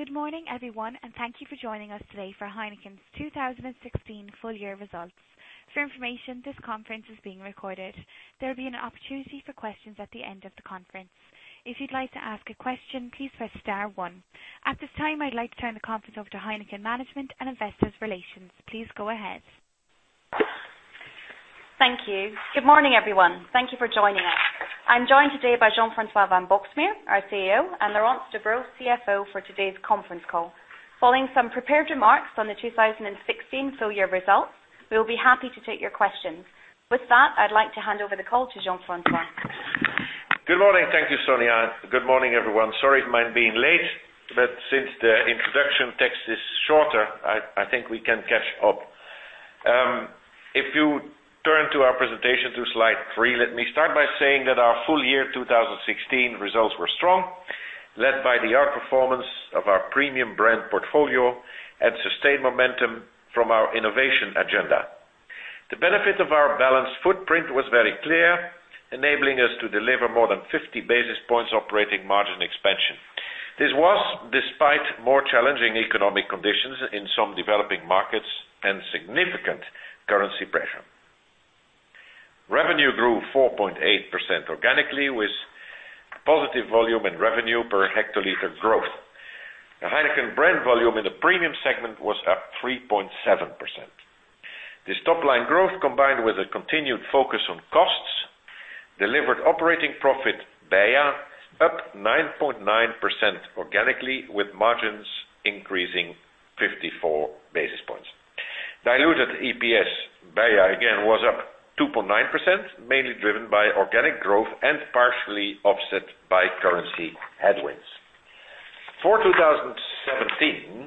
Good morning, everyone. Thank you for joining us today for Heineken's 2016 full year results. For information, this conference is being recorded. There will be an opportunity for questions at the end of the conference. If you'd like to ask a question, please press star one. At this time, I'd like to turn the conference over to Heineken management and Investor Relations. Please go ahead. Thank morning, everyone. Thank you for joining us. I'm joined today by Jean-François van Boxmeer, our CEO, and Laurence Debroux, CFO for today's conference call. Following some prepared remarks on the 2016 full year results, we'll be happy to take your questions. With that, I'd like to hand over the call to Jean-François. Good morning. Thank you, Sonia. Good morning, everyone. Sorry I'm being late, since the introduction text is shorter, I think we can catch up. If you turn to our presentation to slide three, let me start by saying that our full year 2016 results were strong, led by the outperformance of our premium brand portfolio and sustained momentum from our innovation agenda. The benefit of our balanced footprint was very clear, enabling us to deliver more than 50 basis points operating margin expansion. This was despite more challenging economic conditions in some developing markets and significant currency pressure. Revenue grew 4.8% organically, with positive volume and revenue per hectoliter growth. The Heineken brand volume in the premium segment was up 3.7%. This top-line growth, combined with a continued focus on costs, delivered operating profit BEIA up 9.9% organically, with margins increasing 54 basis points. Diluted EPS BEIA again was up 2.9%, mainly driven by organic growth and partially offset by currency headwinds. For 2017,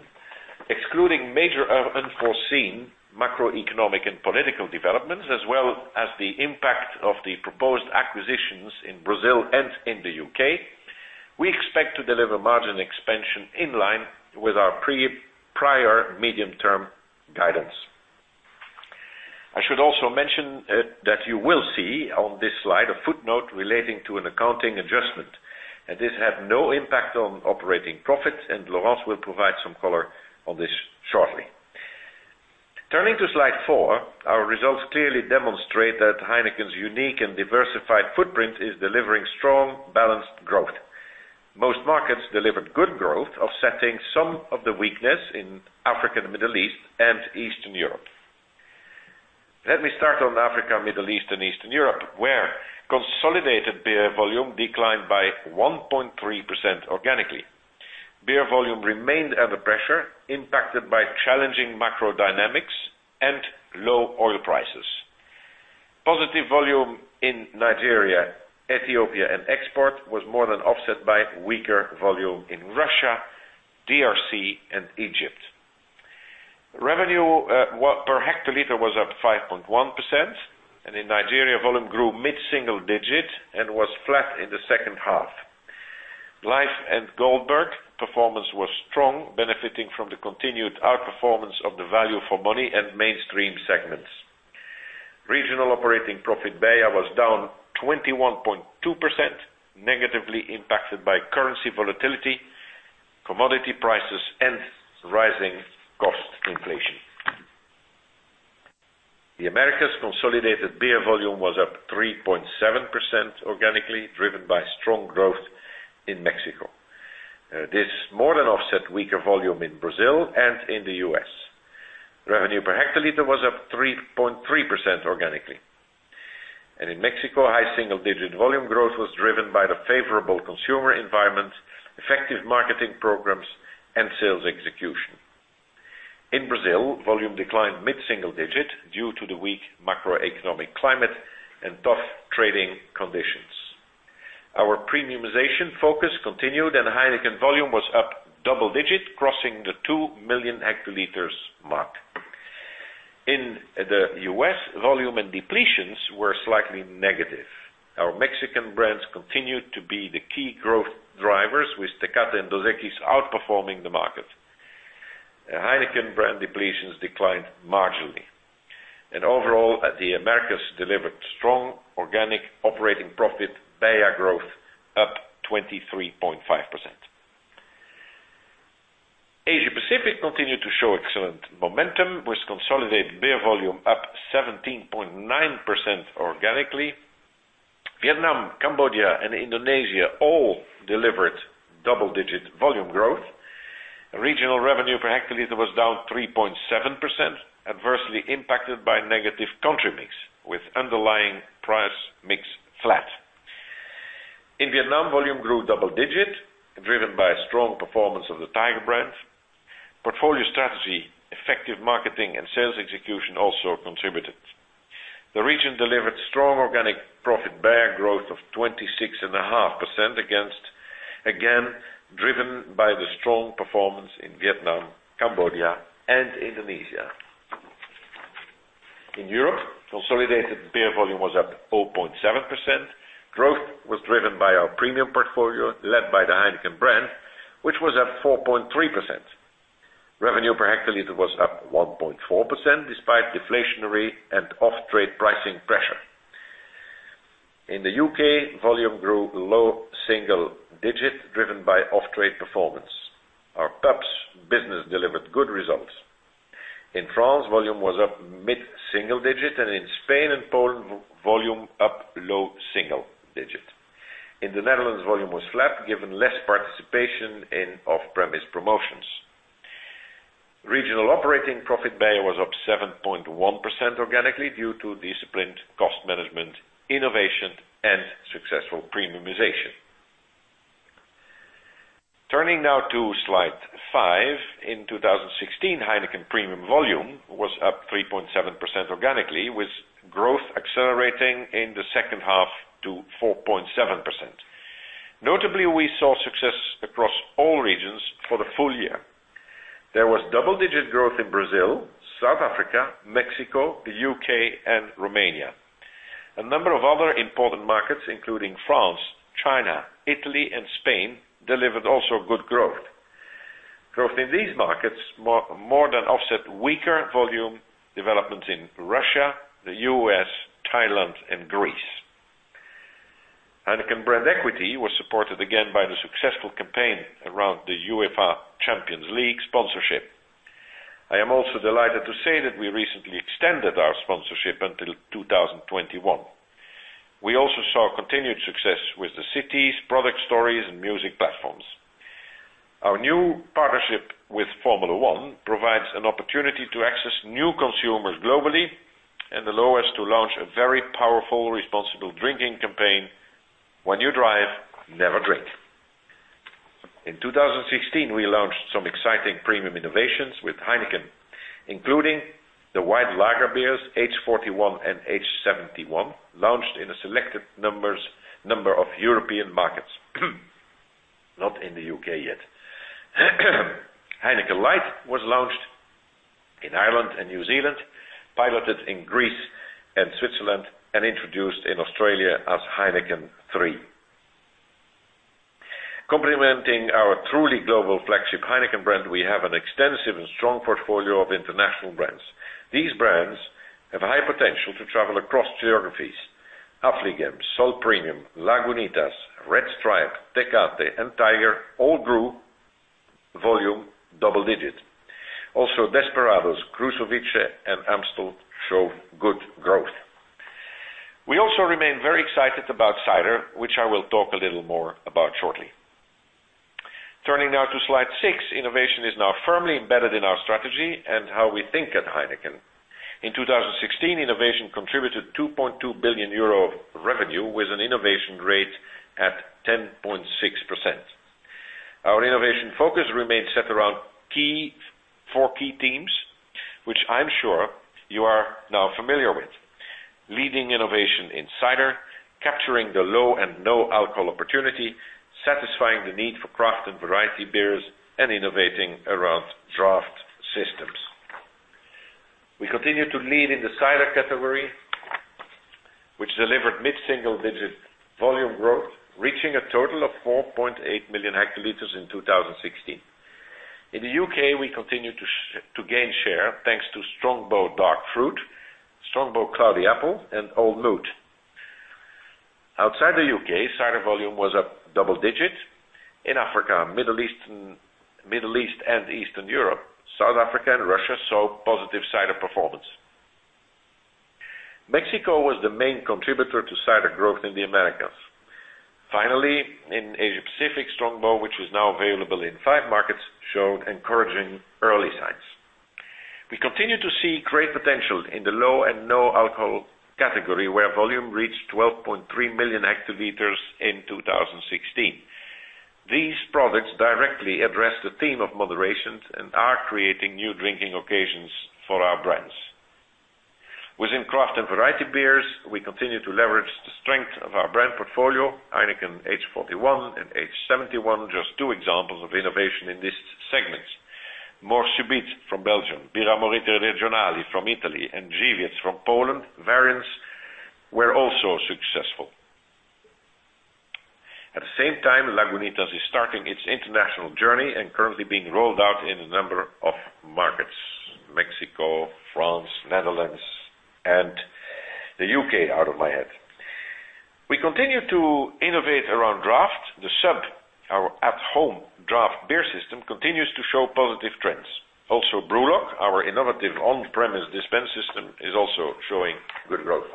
excluding major unforeseen macroeconomic and political developments as well as the impact of the proposed acquisitions in Brazil and in the U.K., we expect to deliver margin expansion in line with our prior medium-term guidance. I should also mention that you will see on this slide a footnote relating to an accounting adjustment. This had no impact on operating profits, and Laurence will provide some color on this shortly. Turning to Slide 4, our results clearly demonstrate that Heineken's unique and diversified footprint is delivering strong, balanced growth. Most markets delivered good growth, offsetting some of the weakness in Africa, the Middle East, and Eastern Europe. Let me start on Africa, Middle East, and Eastern Europe, where consolidated beer volume declined by 1.3% organically. Beer volume remained under pressure, impacted by challenging macro dynamics and low oil prices. Positive volume in Nigeria, Ethiopia, and export was more than offset by weaker volume in Russia, DRC, and Egypt. Revenue per hectoliter was up 5.1%, in Nigeria, volume grew mid-single digit and was flat in the second half. Life and Goldberg performance was strong, benefiting from the continued outperformance of the value for money and mainstream segments. Regional operating profit BEIA was down 21.2%, negatively impacted by currency volatility, commodity prices, and rising cost inflation. The Americas consolidated beer volume was up 3.7% organically, driven by strong growth in Mexico. This more than offset weaker volume in Brazil and in the U.S. Revenue per hectoliter was up 3.3% organically. In Mexico, high single-digit volume growth was driven by the favorable consumer environment, effective marketing programs, and sales execution. In Brazil, volume declined mid-single digit due to the weak macroeconomic climate and tough trading conditions. Our premiumization focus continued, and Heineken volume was up double digits, crossing the two million hectoliters mark. In the U.S., volume and depletions were slightly negative. Our Mexican brands continued to be the key growth drivers, with Tecate and Dos Equis outperforming the market. Heineken brand depletions declined marginally. Overall, the Americas delivered strong organic operating profit, BEIA growth up 23.5%. Asia Pacific continued to show excellent momentum, with consolidated beer volume up 17.9% organically. Vietnam, Cambodia, and Indonesia all delivered double-digit volume growth. Regional revenue per hectoliter was down 3.7%, adversely impacted by negative country mix with underlying price mix flat. In Vietnam, volume grew double digit, driven by a strong performance of the Tiger brand. Portfolio strategy, effective marketing, and sales execution also contributed. The region delivered strong organic profit BEIA growth of 26.5%, again, driven by the strong performance in Vietnam, Cambodia, and Indonesia. In Europe, consolidated beer volume was up 0.7%. Growth was driven by our premium portfolio, led by the Heineken brand, which was up 4.3%. Revenue per hectoliter was up 1.4%, despite deflationary and off-trade pricing pressure. In the U.K., volume grew low single digit, driven by off-trade performance. Our pubs business delivered good results. In France, volume was up mid-single digit, and in Spain and Poland, volume up low single digit. In the Netherlands, volume was flat given less participation in off-premise promotions. Regional operating profit BEIA was up 7.1% organically due to disciplined cost management, innovation, and successful premiumization. Turning now to slide five. In 2016, Heineken premium volume was up 3.7% organically, with growth accelerating in the second half to 4.7%. Notably, we saw success across all regions for the full year. There was double-digit growth in Brazil, South Africa, Mexico, the U.K., and Romania. A number of other important markets, including France, China, Italy, and Spain, delivered also good growth. Growth in these markets more than offset weaker volume developments in Russia, the U.S., Thailand, and Greece. Heineken brand equity was supported again by the successful campaign around the UEFA Champions League sponsorship. I am also delighted to say that we recently extended our sponsorship until 2021. We also saw continued success with the cities, product stories, and music platforms. Our new partnership with Formula One provides an opportunity to access new consumers globally and allow us to launch a very powerful responsible drinking campaign: when you drive, never drink. In 2016, we launched some exciting premium innovations with Heineken, including the white lager beers H41 and H71, launched in a selected number of European markets. Not in the U.K. yet. Heineken Light was launched in Ireland and New Zealand, piloted in Greece and Switzerland, and introduced in Australia as Heineken 3. Complementing our truly global flagship Heineken brand, we have an extensive and strong portfolio of international brands. These brands have a high potential to travel across geographies. Affligem, Sol, Lagunitas, Red Stripe, Tecate, and Tiger all grew volume double digits. Also, Desperados, Krušovice, and Amstel showed good growth. We also remain very excited about cider, which I will talk a little more about shortly. Turning now to slide six. Innovation is now firmly embedded in our strategy and how we think at Heineken. In 2016, innovation contributed 2.2 billion euro of revenue with an innovation rate at 10.6%. Our innovation focus remains set around four key themes, which I'm sure you are now familiar with. Leading innovation in cider, capturing the low and no alcohol opportunity, satisfying the need for craft and variety beers, and innovating around draft systems. We continue to lead in the cider category, which delivered mid-single digit volume growth, reaching a total of 4.8 million hectoliters in 2016. In the U.K., we continue to gain share thanks to Strongbow Dark Fruit, Strongbow Cloudy Apple, and Old Mout. Outside the U.K., cider volume was up double digits. In Africa, Middle East and Eastern Europe, South Africa and Russia saw positive cider performance. Mexico was the main contributor to cider growth in the Americas. Finally, in Asia-Pacific, Strongbow, which is now available in five markets, showed encouraging early signs. We continue to see great potential in the low and no alcohol category, where volume reached 12.3 million hectoliters in 2016. These products directly address the theme of moderation and are creating new drinking occasions for our brands. Within craft and variety beers, we continue to leverage the strength of our brand portfolio. Heineken H41 and H71 are just two examples of innovation in these segments. Mort Subite from Belgium, Birra Moretti Regionali from Italy, and Żywiec from Poland variants were also successful. At the same time, Lagunitas is starting its international journey and currently being rolled out in a number of markets. Mexico, France, Netherlands, and the U.K. out of my head. We continue to innovate around draft. The Sub, our at-home draft beer system, continues to show positive trends. Also, BrewLock, our innovative on-premise dispense system, is also showing good growth.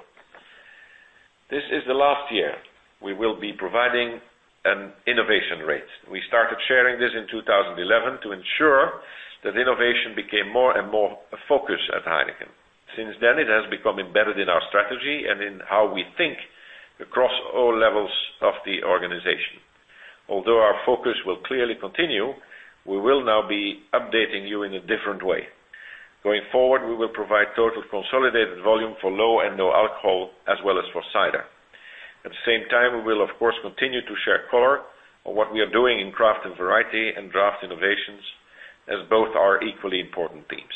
This is the last year we will be providing an innovation rate. We started sharing this in 2011 to ensure that innovation became more and more a focus at Heineken. Since then, it has become embedded in our strategy and in how we think across all levels of the organization. Although our focus will clearly continue, we will now be updating you in a different way. Going forward, we will provide total consolidated volume for low and no alcohol as well as for cider. At the same time, we will, of course, continue to share color on what we are doing in craft and variety and draft innovations as both are equally important themes.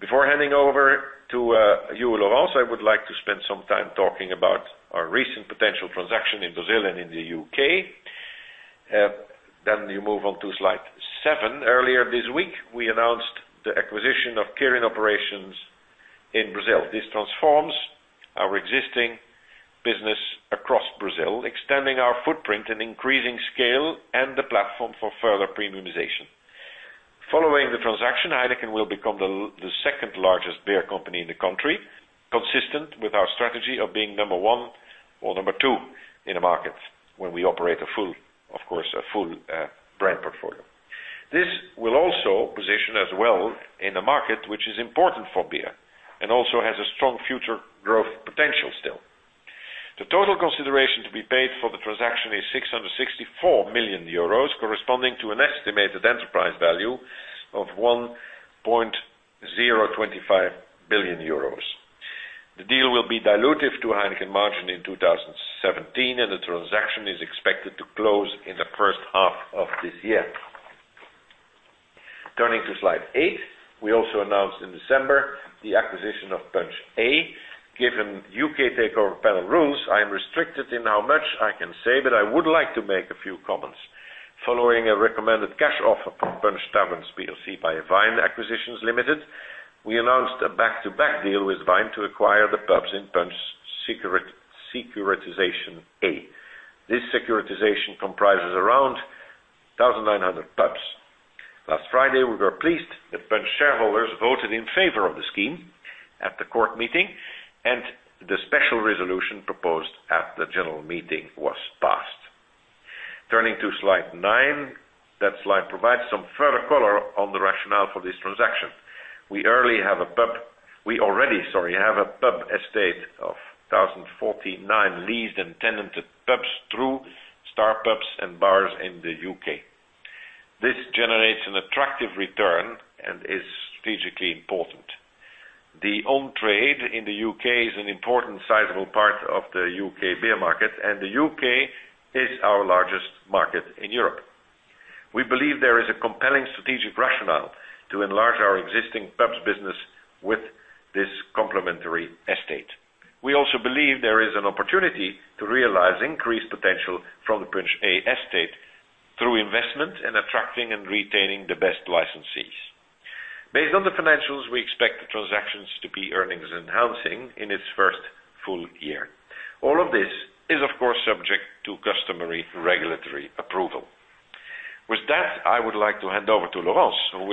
Before handing over to you, Laurence, I would like to spend some time talking about our recent potential transaction in Brazil and in the U.K. You move on to slide seven. Earlier this week, we announced the acquisition of Kirin operations in Brazil. This transforms our existing business across Brazil, extending our footprint and increasing scale and the platform for further premiumization. Following the transaction, Heineken will become the second largest beer company in the country, consistent with our strategy of being number one or number two in a market when we operate a full brand portfolio. This will also position us well in a market which is important for beer and also has a strong future growth potential still. The total consideration to be paid for the transaction is 664 million euros, corresponding to an estimated enterprise value of 1.025 billion euros. The deal will be dilutive to Heineken margin in 2017, and the transaction is expected to close in the first half of this year. Turning to slide eight. We also announced in December the acquisition of Punch Taverns. Given U.K. Takeover Panel rules, I am restricted in how much I can say, but I would like to make a few comments. Following a recommended cash offer from Punch Taverns plc by Vine Acquisitions Limited, we announced a back-to-back deal with Vine to acquire the pubs in Punch's securitization A. This securitization comprises around 1,900 pubs. Last Friday, we were pleased that Punch shareholders voted in favor of the scheme at the court meeting and the special resolution proposed at the general meeting was passed. Turning to slide nine. That slide provides some further color on the rationale for this transaction. We already have a pub estate of 1,049 leased and tenanted pubs through Star Pubs & Bars in the U.K. This generates an attractive return and is strategically important. The on-trade in the U.K. is an important sizable part of the U.K. beer market, and the U.K. is our largest market in Europe. We believe there is a compelling strategic rationale to enlarge our existing pubs business with this complementary estate. We also believe there is an opportunity to realize increased potential from the Punch A estate through investment in attracting and retaining the best licensees. Based on the financials, we expect the transactions to be earnings enhancing in its first full year. All of this is, of course, subject to customary regulatory approval. With that, I would like to hand over to Laurence, who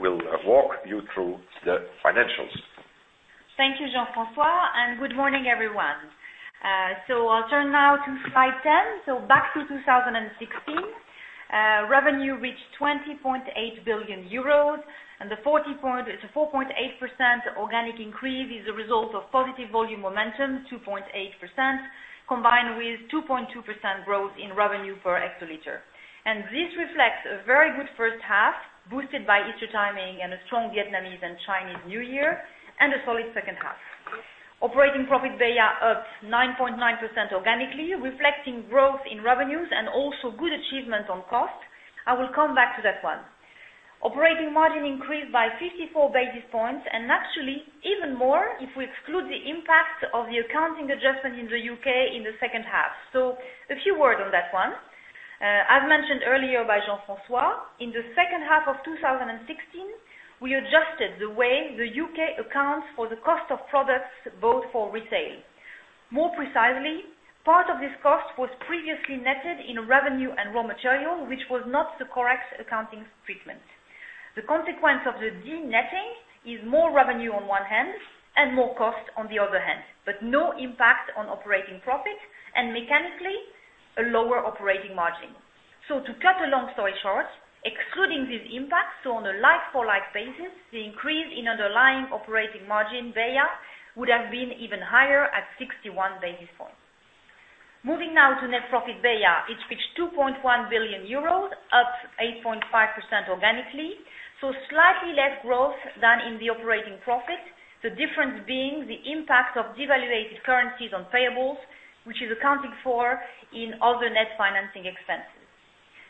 will walk you through the financials. Thank you, Jean-François, and good morning, everyone. I'll turn now to slide 10, back to 2016. Revenue reached 20.8 billion euros, and the 4.8% organic increase is a result of positive volume momentum, 2.8%, combined with 2.2% growth in revenue per hectoliter. This reflects a very good first half, boosted by Easter timing and a strong Vietnamese and Chinese New Year and a solid second half. Operating profit BEIA up 9.9% organically, reflecting growth in revenues and also good achievement on cost. I will come back to that one. Operating margin increased by 54 basis points, actually even more if we exclude the impact of the accounting adjustment in the U.K. in the second half. A few words on that one. As mentioned earlier by Jean-François, in the second half of 2016, we adjusted the way the U.K. accounts for the cost of products bought for retail. More precisely, part of this cost was previously netted in revenue and raw material, which was not the correct accounting treatment. The consequence of the de-netting is more revenue on one hand and more cost on the other hand, but no impact on operating profit and mechanically, a lower operating margin. To cut a long story short, excluding this impact, on a like-for-like basis, the increase in underlying operating margin BEIA would have been even higher at 61 basis points. Moving now to net profit BEIA. It reached 1.1 billion euros, up 8.5% organically, slightly less growth than in the operating profit. The difference being the impact of devaluated currencies on payables, which is accounted for in other net financing expenses.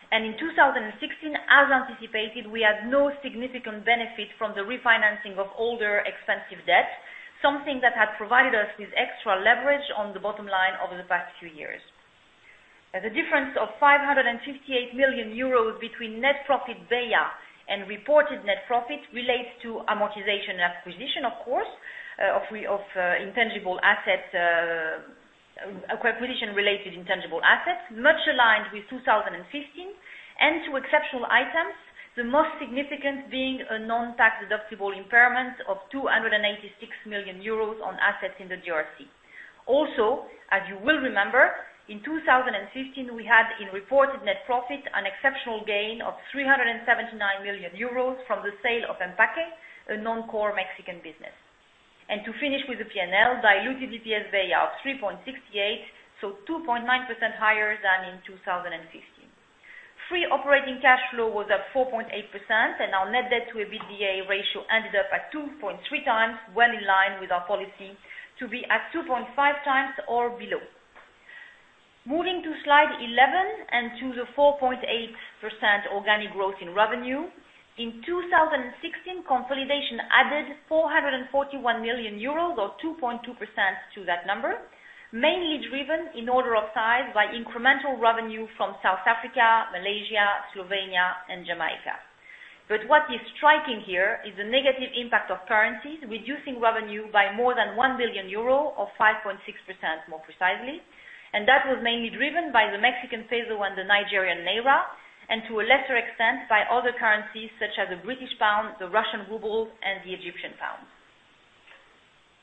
In 2016, as anticipated, we had no significant benefit from the refinancing of older expensive debt, something that had provided us with extra leverage on the bottom line over the past few years. The difference of 558 million euros between net profit BEIA and reported net profit relates to amortization and acquisition, of course, of acquisition-related intangible assets, much aligned with 2015, and to exceptional items, the most significant being a non-tax deductible impairment of 286 million euros on assets in the DRC. Also, as you will remember, in 2015, we had in reported net profit an exceptional gain of 379 million euros from the sale of Empaque, a non-core Mexican business. To finish with the P&L, diluted EPS BEIA of 3.68, 2.9% higher than in 2015. Free operating cash flow was up 4.8%, Our net debt to EBITDA ratio ended up at 2.3 times, well in line with our policy to be at 2.5 times or below. Moving to Slide 11 and to the 4.8% organic growth in revenue. In 2016, consolidation added 441 million euros or 2.2% to that number, mainly driven in order of size by incremental revenue from South Africa, Malaysia, Slovenia, and Jamaica. What is striking here is the negative impact of currencies reducing revenue by more than 1 billion euro, or 5.6% more precisely. That was mainly driven by the Mexican peso and the Nigerian naira, and to a lesser extent by other currencies such as the British pound, the Russian ruble, and the Egyptian pound.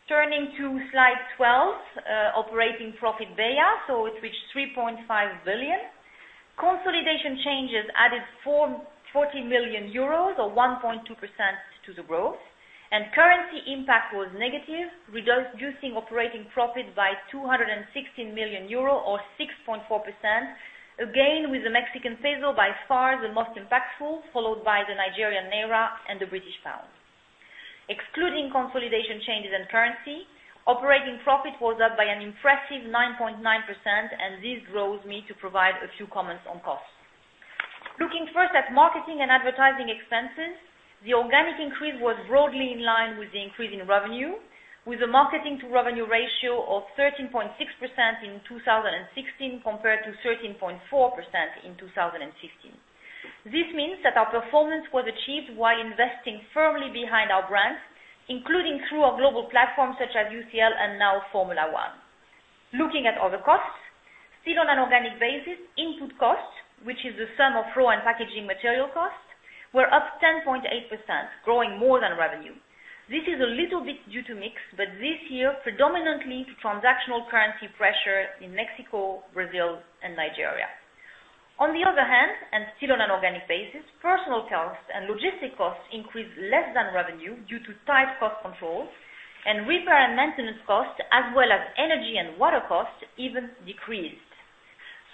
Turning to Slide 12, operating profit BEIA. It reached 3.5 billion. Consolidation changes added 40 million euros or 1.2% to the growth, Currency impact was negative, reducing operating profit by 216 million euro or 6.4%, again, with the Mexican peso by far the most impactful, followed by the Nigerian naira and the British pound. Excluding consolidation changes in currency, operating profit was up by an impressive 9.9%, This drove me to provide a few comments on costs. Looking first at marketing and advertising expenses, the organic increase was broadly in line with the increase in revenue, with a marketing-to-revenue ratio of 13.6% in 2016 compared to 13.4% in 2015. This means that our performance was achieved while investing firmly behind our brands, including through our global platforms such as UCL and now Formula One. Looking at other costs, still on an organic basis, input costs, which is the sum of raw and packaging material costs, were up 10.8%, growing more than revenue. This is a little bit due to mix, but this year predominantly to transactional currency pressure in Mexico, Brazil, and Nigeria. On the other hand, still on an organic basis, personal costs and logistic costs increased less than revenue due to tight cost control, and repair and maintenance costs, as well as energy and water costs even decreased.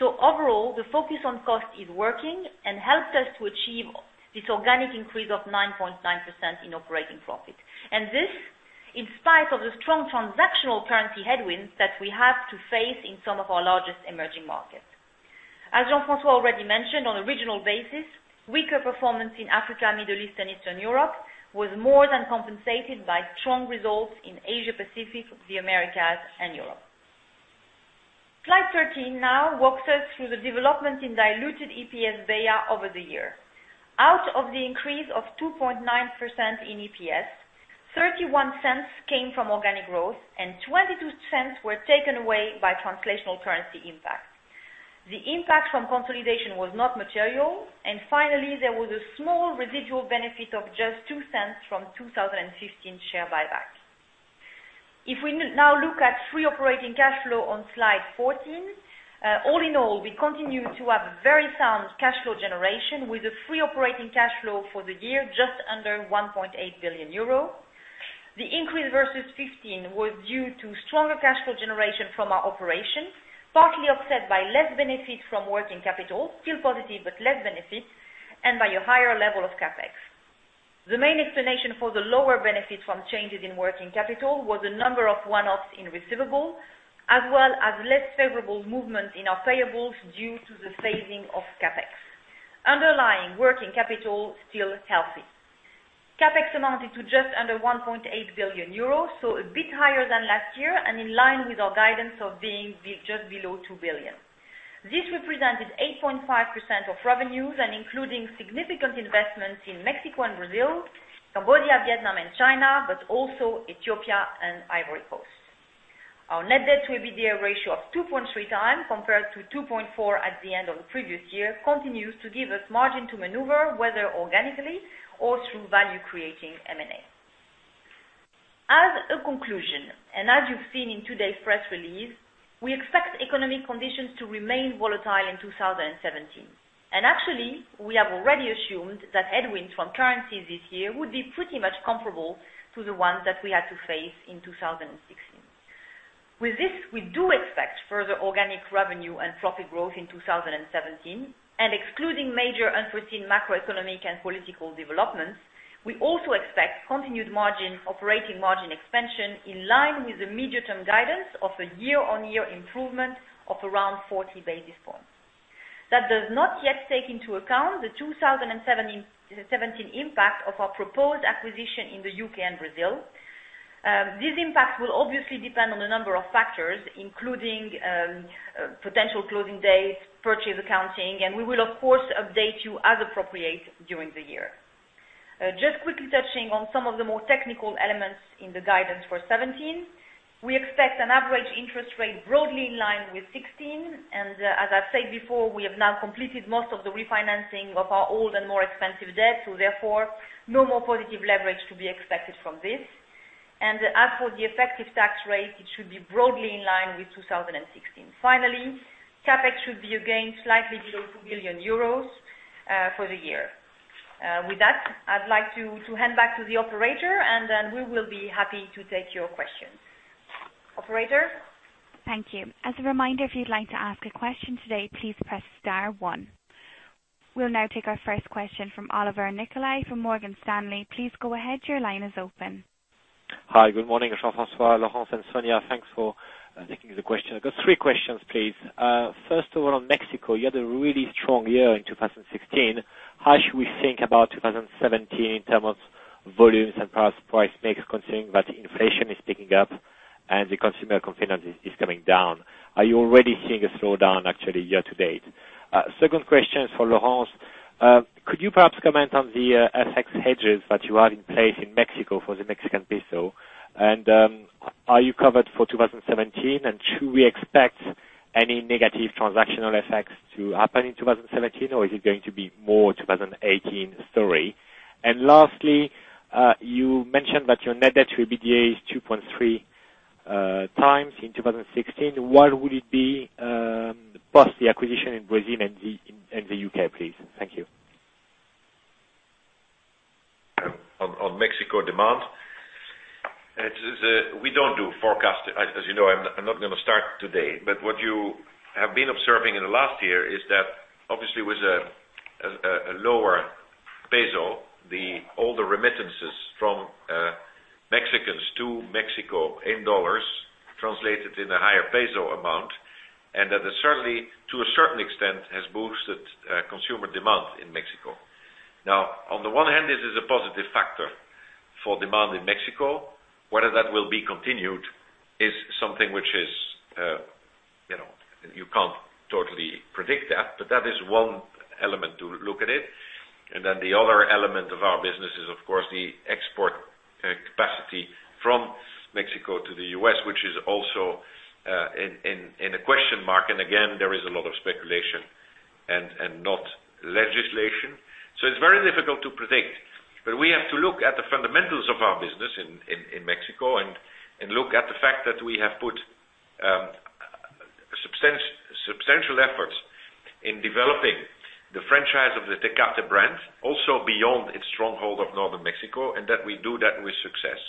Overall, the focus on cost is working and helped us to achieve this organic increase of 9.9% in operating profit. This, in spite of the strong transactional currency headwinds that we have to face in some of our largest emerging markets. As Jean-François already mentioned, on a regional basis, weaker performance in Africa, Middle East, and Eastern Europe was more than compensated by strong results in Asia Pacific, the Americas, and Europe. Slide 13 now walks us through the development in diluted EPS BEIA over the year. Out of the increase of 2.9% in EPS, 0.31 came from organic growth, and 0.22 were taken away by translational currency impact. The impact from consolidation was not material, and finally, there was a small residual benefit of just 0.02 from 2015 share buyback. If we now look at free operating cash flow on Slide 14, all in all, we continue to have very sound cash flow generation with a free operating cash flow for the year just under 1.8 billion euro. The increase versus 2015 was due to stronger cash flow generation from our operations, partly offset by less benefit from working capital, still positive, but less benefit, and by a higher level of CapEx. The main explanation for the lower benefit from changes in working capital was the number of one-offs in receivables, as well as less favorable movement in our payables due to the phasing of CapEx. Underlying working capital, still healthy. CapEx amounted to just under 1.8 billion euros, so a bit higher than last year and in line with our guidance of being just below 2 billion. This represented 8.5% of revenues and including significant investments in Mexico and Brazil, Cambodia, Vietnam, and China, but also Ethiopia and Ivory Coast. Our net debt to EBITDA ratio of 2.3 times compared to 2.4 at the end of the previous year, continues to give us margin to maneuver, whether organically or through value-creating M&A. As a conclusion, as you've seen in today's press release, we expect economic conditions to remain volatile in 2017. Actually, we have already assumed that headwinds from currencies this year would be pretty much comparable to the ones that we had to face in 2016. With this, we do expect further organic revenue and profit growth in 2017. Excluding major unforeseen macroeconomic and political developments, we also expect continued operating margin expansion in line with the medium-term guidance of a year-on-year improvement of around 40 basis points. That does not yet take into account the 2017 impact of our proposed acquisition in the U.K. and Brazil. These impacts will obviously depend on a number of factors, including potential closing dates, purchase accounting, and we will, of course, update you as appropriate during the year. Just quickly touching on some of the more technical elements in the guidance for 2017. We expect an average interest rate broadly in line with 2016. As I've said before, we have now completed most of the refinancing of our old and more expensive debt, so therefore, no more positive leverage to be expected from this. As for the effective tax rate, it should be broadly in line with 2016. Finally, CapEx should be, again, slightly below 2 billion euros for the year. With that, I'd like to hand back to the operator, and then we will be happy to take your questions. Operator? Thank you. As a reminder, if you'd like to ask a question today, please press star one. We'll now take our first question from Olivier Nicolai from Morgan Stanley. Please go ahead. Your line is open. Hi, good morning, Jean-François, Laurence, and Sonia. Thanks for taking the question. I've got three questions, please. First of all, on Mexico, you had a really strong year in 2016. How should we think about 2017 in terms of volumes and price mix, considering that inflation is picking up? The consumer confidence is coming down. Are you already seeing a slowdown actually year-to-date? Second question is for Laurence. Could you perhaps comment on the FX hedges that you have in place in Mexico for the Mexican peso? Are you covered for 2017 and should we expect any negative transactional effects to happen in 2017, or is it going to be more 2018 story? Lastly, you mentioned that your net debt to EBITDA is 2.3 times in 2016. What would it be, post the acquisition in Brazil and the U.K., please? Thank you. On Mexico demand, we don't do forecast. As you know, I'm not going to start today. What you have been observing in the last year is that obviously with a lower peso, all the remittances from Mexicans to Mexico in USD translated in a higher peso amount, and that certainly, to a certain extent, has boosted consumer demand in Mexico. Now, on the one hand, this is a positive factor for demand in Mexico. Whether that will be continued is something which you can't totally predict, but that is one element to look at it. Then the other element of our business is, of course, the export capacity from Mexico to the U.S., which is also in a question mark. Again, there is a lot of speculation and not legislation. It's very difficult to predict. We have to look at the fundamentals of our business in Mexico and look at the fact that we have put substantial efforts in developing the franchise of the Tecate brand, also beyond its stronghold of northern Mexico, and that we do that with success.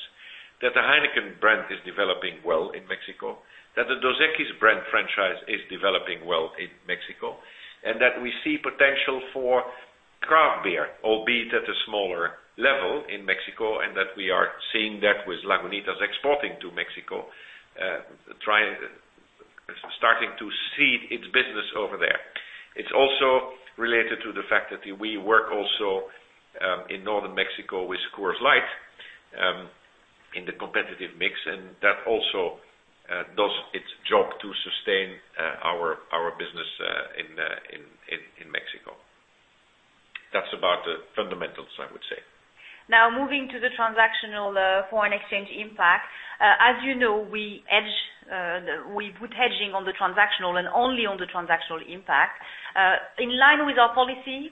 That the Heineken brand is developing well in Mexico, that the Dos Equis brand franchise is developing well in Mexico, and that we see potential for craft beer, albeit at a smaller level in Mexico, and that we are seeing that with Lagunitas exporting to Mexico, starting to seed its business over there. It is also related to the fact that we work also in northern Mexico with Coors Light in the competitive mix, and that also does its job to sustain our business in Mexico. That is about the fundamentals, I would say. Moving to the transactional foreign exchange impact. As you know, we put hedging on the transactional and only on the transactional impact. In line with our policy,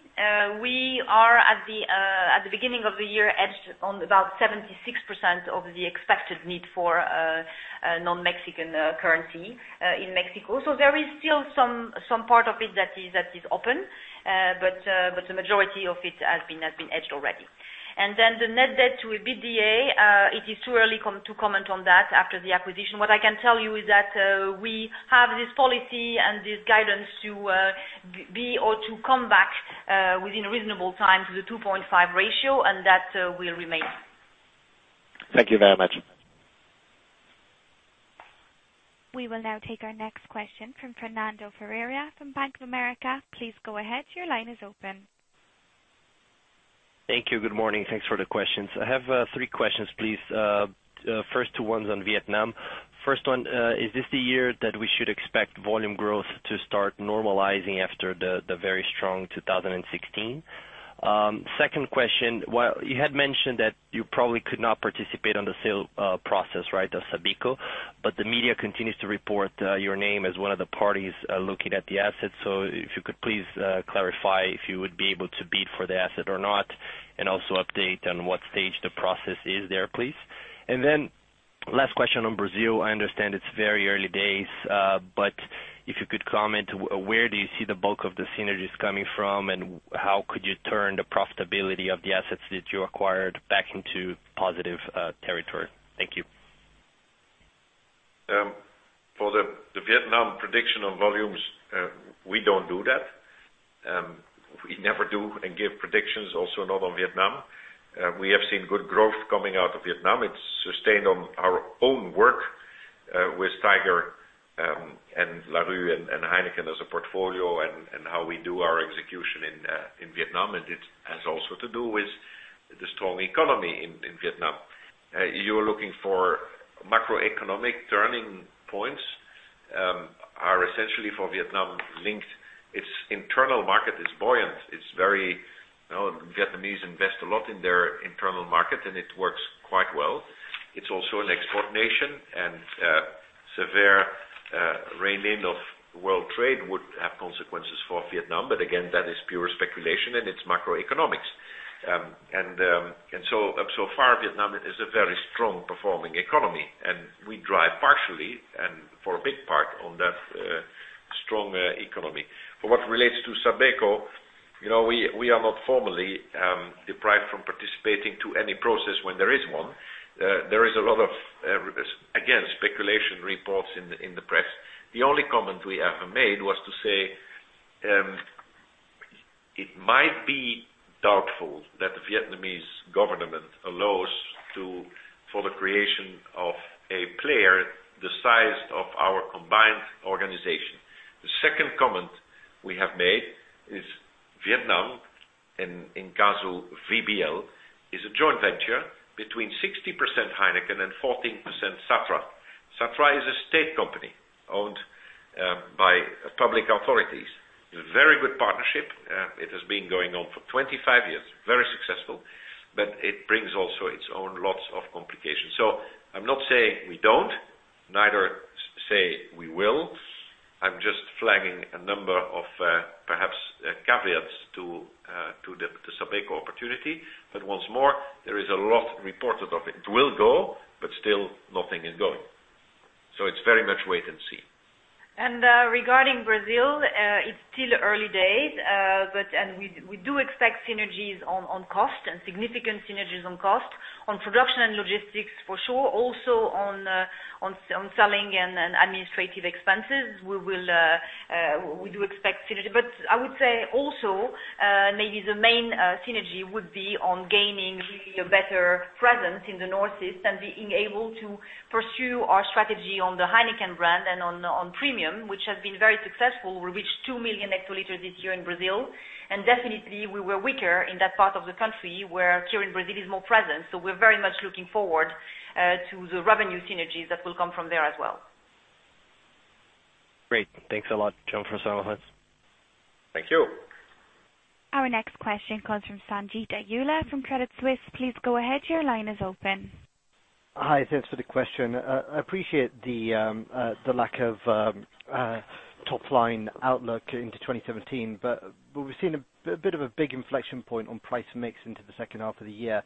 we are at the beginning of the year hedged on about 76% of the expected need for non-Mexican currency in Mexico. So there is still some part of it that is open, but the majority of it has been hedged already. Then the net debt to EBITDA, it is too early to comment on that after the acquisition. What I can tell you is that we have this policy and this guidance to be or to come back within a reasonable time to the 2.5 ratio, and that will remain. Thank you very much. We will now take our next question from Fernando Ferreira from Bank of America. Please go ahead. Your line is open. Thank you. Good morning. Thanks for the questions. I have three questions, please. First two ones on Vietnam. First one, is this the year that we should expect volume growth to start normalizing after the very strong 2016? Second question, you had mentioned that you probably could not participate on the sale process of Sabeco, but the media continues to report your name as one of the parties looking at the assets. If you could please clarify if you would be able to bid for the asset or not, and also update on what stage the process is there, please. Last question on Brazil. I understand it's very early days, but if you could comment, where do you see the bulk of the synergies coming from, and how could you turn the profitability of the assets that you acquired back into positive territory? Thank you. For the Vietnam prediction of volumes, we don't do that. We never do and give predictions also not on Vietnam. We have seen good growth coming out of Vietnam. It's sustained on our own work with Tiger and Larue and Heineken as a portfolio and how we do our execution in Vietnam. It has also to do with the strong economy in Vietnam. You're looking for macroeconomic turning points are essentially for Vietnam linked. Its internal market is buoyant. Vietnamese invest a lot in their internal market, and it works quite well. It's also an export nation, and severe strain on world trade would have consequences for Vietnam. Again, that is pure speculation and it's macroeconomics. So far, Vietnam is a very strong performing economy, and we drive partially and for a big part on that strong economy. For what relates to Sabeco, we are not formally deprived from participating to any process when there is one. There is a lot of, again, speculation reports in the press. The only comment we ever made was to say it might be doubtful that the Vietnamese government allows for the creation of a player the size of our combined organization. The second comment we have made is Vietnam, in case you, VBL, is a joint venture between 60% Heineken and 14% Satra. Satra is a state company owned by public authorities. A very good partnership. It has been going on for 25 years, very successful, but it brings also its own lots of complications. I'm not saying we don't, neither say we will. I'm just flagging a number of perhaps caveats to the Sabeco opportunity. Once more, there is a lot reported of it. It will go, but still nothing is going. It's very much wait and see. Regarding Brazil, it's still early days, we do expect synergies on cost and significant synergies on cost, on production and logistics for sure. On selling and administrative expenses, we do expect synergy. I would say also, maybe the main synergy would be on gaining really a better presence in the Northeast and being able to pursue our strategy on the Heineken brand and on premium, which has been very successful. We reached 2 million hectoliters this year in Brazil, and definitely we were weaker in that part of the country where Brasil Kirin is more present. We're very much looking forward to the revenue synergies that will come from there as well. Great. Thanks a lot, Jean-François. Thank you. Our next question comes from Sanjeet Aujla from Credit Suisse. Please go ahead. Your line is open. Hi, thanks for the question. I appreciate the lack of top-line outlook into 2017. We've seen a bit of a big inflection point on price mix into the second half of the year.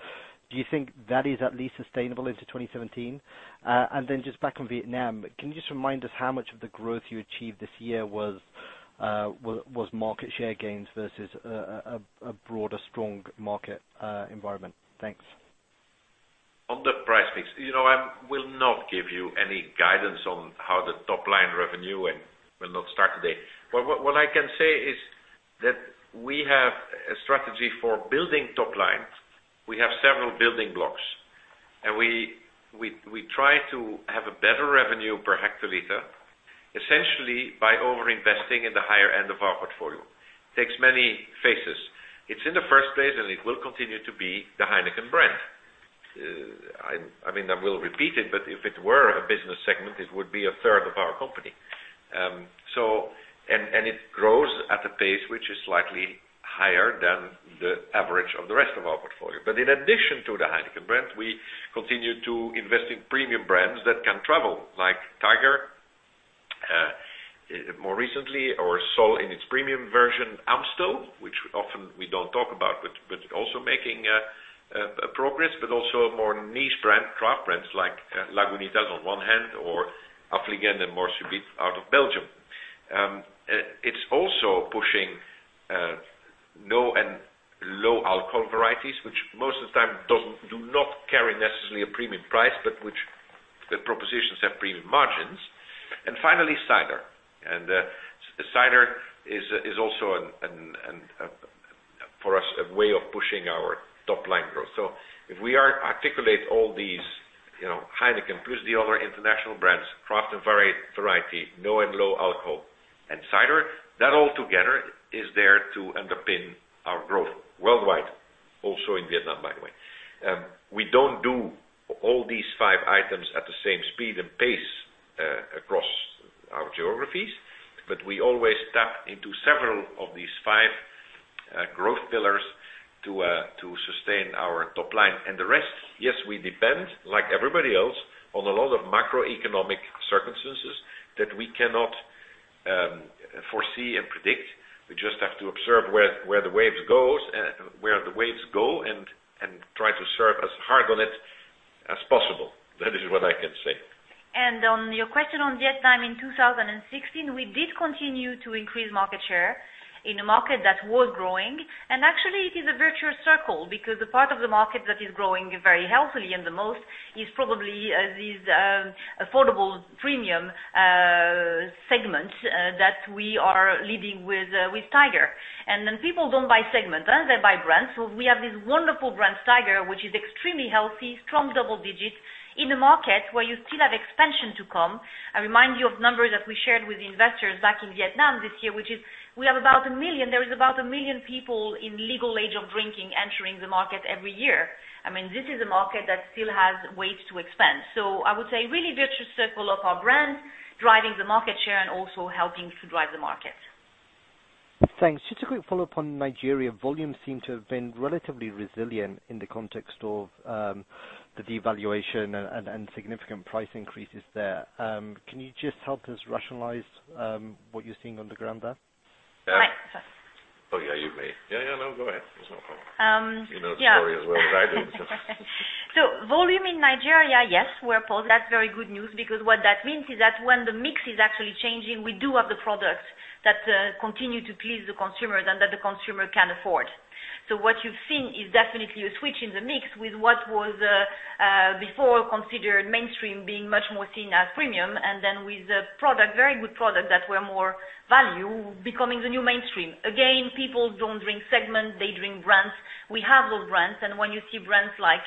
Do you think that is at least sustainable into 2017? Just back on Vietnam, can you just remind us how much of the growth you achieved this year was market share gains versus a broader strong market environment? Thanks. On the price mix. I will not give you any guidance on how the top-line revenue and will not start today. What I can say is that we have a strategy for building top line. We have several building blocks, we try to have a better revenue per hectoliter, essentially by overinvesting in the higher end of our portfolio. Takes many faces. It's in the first place, it will continue to be the Heineken brand. I will repeat it, if it were a business segment, it would be a third of our company. It grows at a pace which is slightly higher than the average of the rest of our portfolio. In addition to the Heineken brand, we continue to invest in premium brands that can travel, like Tiger, more recently or so in its premium version, Amstel, which often we don't talk about, also making progress, also a more niche brand, craft brands like Lagunitas on one hand or Affligem and Mort Subite out of Belgium. It's also pushing no and low alcohol varieties, which most of the time do not carry necessarily a premium price, which the propositions have premium margins. Finally, cider. Cider is also, for us, a way of pushing our top-line growth. If we articulate all these, Heineken, plus the other international brands, craft and variety, no and low alcohol, cider, that all together is there to underpin our growth worldwide, also in Vietnam, by the way. We don't do all these five items at the same speed and pace across our geographies, we always tap into several of these five growth pillars to sustain our top line. The rest, yes, we depend, like everybody else, on a lot of macroeconomic circumstances that we cannot foresee and predict. We just have to observe where the waves go and try to surf as hard on it as possible. That is what I can say. On your question on Vietnam in 2016, we did continue to increase market share in a market that was growing. Actually, it is a virtuous circle because the part of the market that is growing very healthily and the most is probably these affordable premium segments that we are leading with Tiger. People don't buy segments, they buy brands. We have this wonderful brand, Tiger, which is extremely healthy, strong double digits in a market where you still have expansion to come. I remind you of numbers that we shared with investors back in Vietnam this year, which is we have about a million, there is about a million people in legal age of drinking entering the market every year. This is a market that still has ways to expand. I would say really virtuous circle of our brand driving the market share and also helping to drive the market. Thanks. Just a quick follow-up on Nigeria. Volumes seem to have been relatively resilient in the context of the devaluation and significant price increases there. Can you just help us rationalize what you're seeing on the ground there? I. Oh, yeah, you may. Yeah, no, go ahead. There's no problem. Yeah. You know the story as well as I do. Volume in Nigeria, yes, we're positive. That's very good news because what that means is that when the mix is actually changing, we do have the products that continue to please the consumers and that the consumer can afford. What you've seen is definitely a switch in the mix with what was before considered mainstream being much more seen as premium, and then with the product, very good product that were more value becoming the new mainstream. Again, people don't drink segment, they drink brands. We have those brands. When you see brands like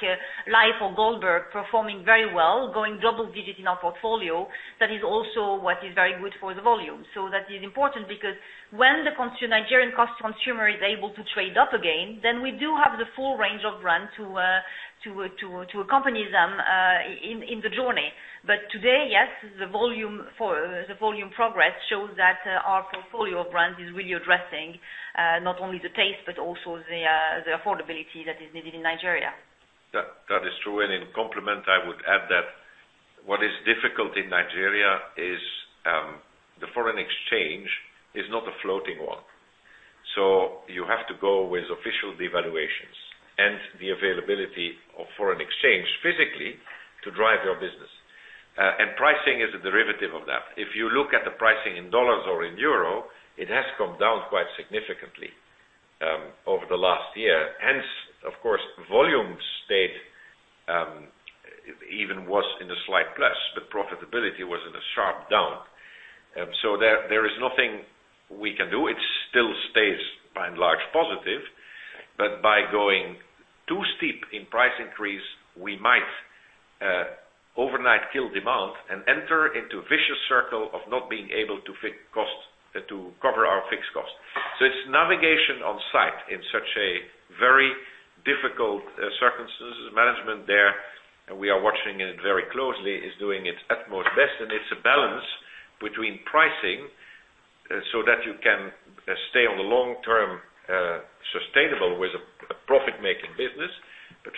Life or Goldberg performing very well, going double-digit in our portfolio, that is also what is very good for the volume. That is important because when the Nigerian consumer is able to trade up again, then we do have the full range of brand to accompany them in the journey. Today, yes, the volume progress shows that our portfolio of brands is really addressing not only the taste but also the affordability that is needed in Nigeria. That is true. In complement, I would add that what is difficult in Nigeria is the foreign exchange is not a floating one. You have to go with official devaluations and the availability of foreign exchange physically to drive your business. Pricing is a derivative of that. If you look at the pricing in USD or in EUR, it has come down quite significantly over the last year. Hence, of course, volume stayed, even was in a slight plus, but profitability was in a sharp down. There is nothing we can do. It still stays by and large positive, but by going too steep in price increase, we might overnight kill demand and enter into a vicious circle of not being able to cover our fixed cost. It's navigation on site in such a very difficult circumstances. Management there, and we are watching it very closely, is doing its utmost best, and it's a balance between pricing so that you can stay on the long-term sustainable with a profit-making business.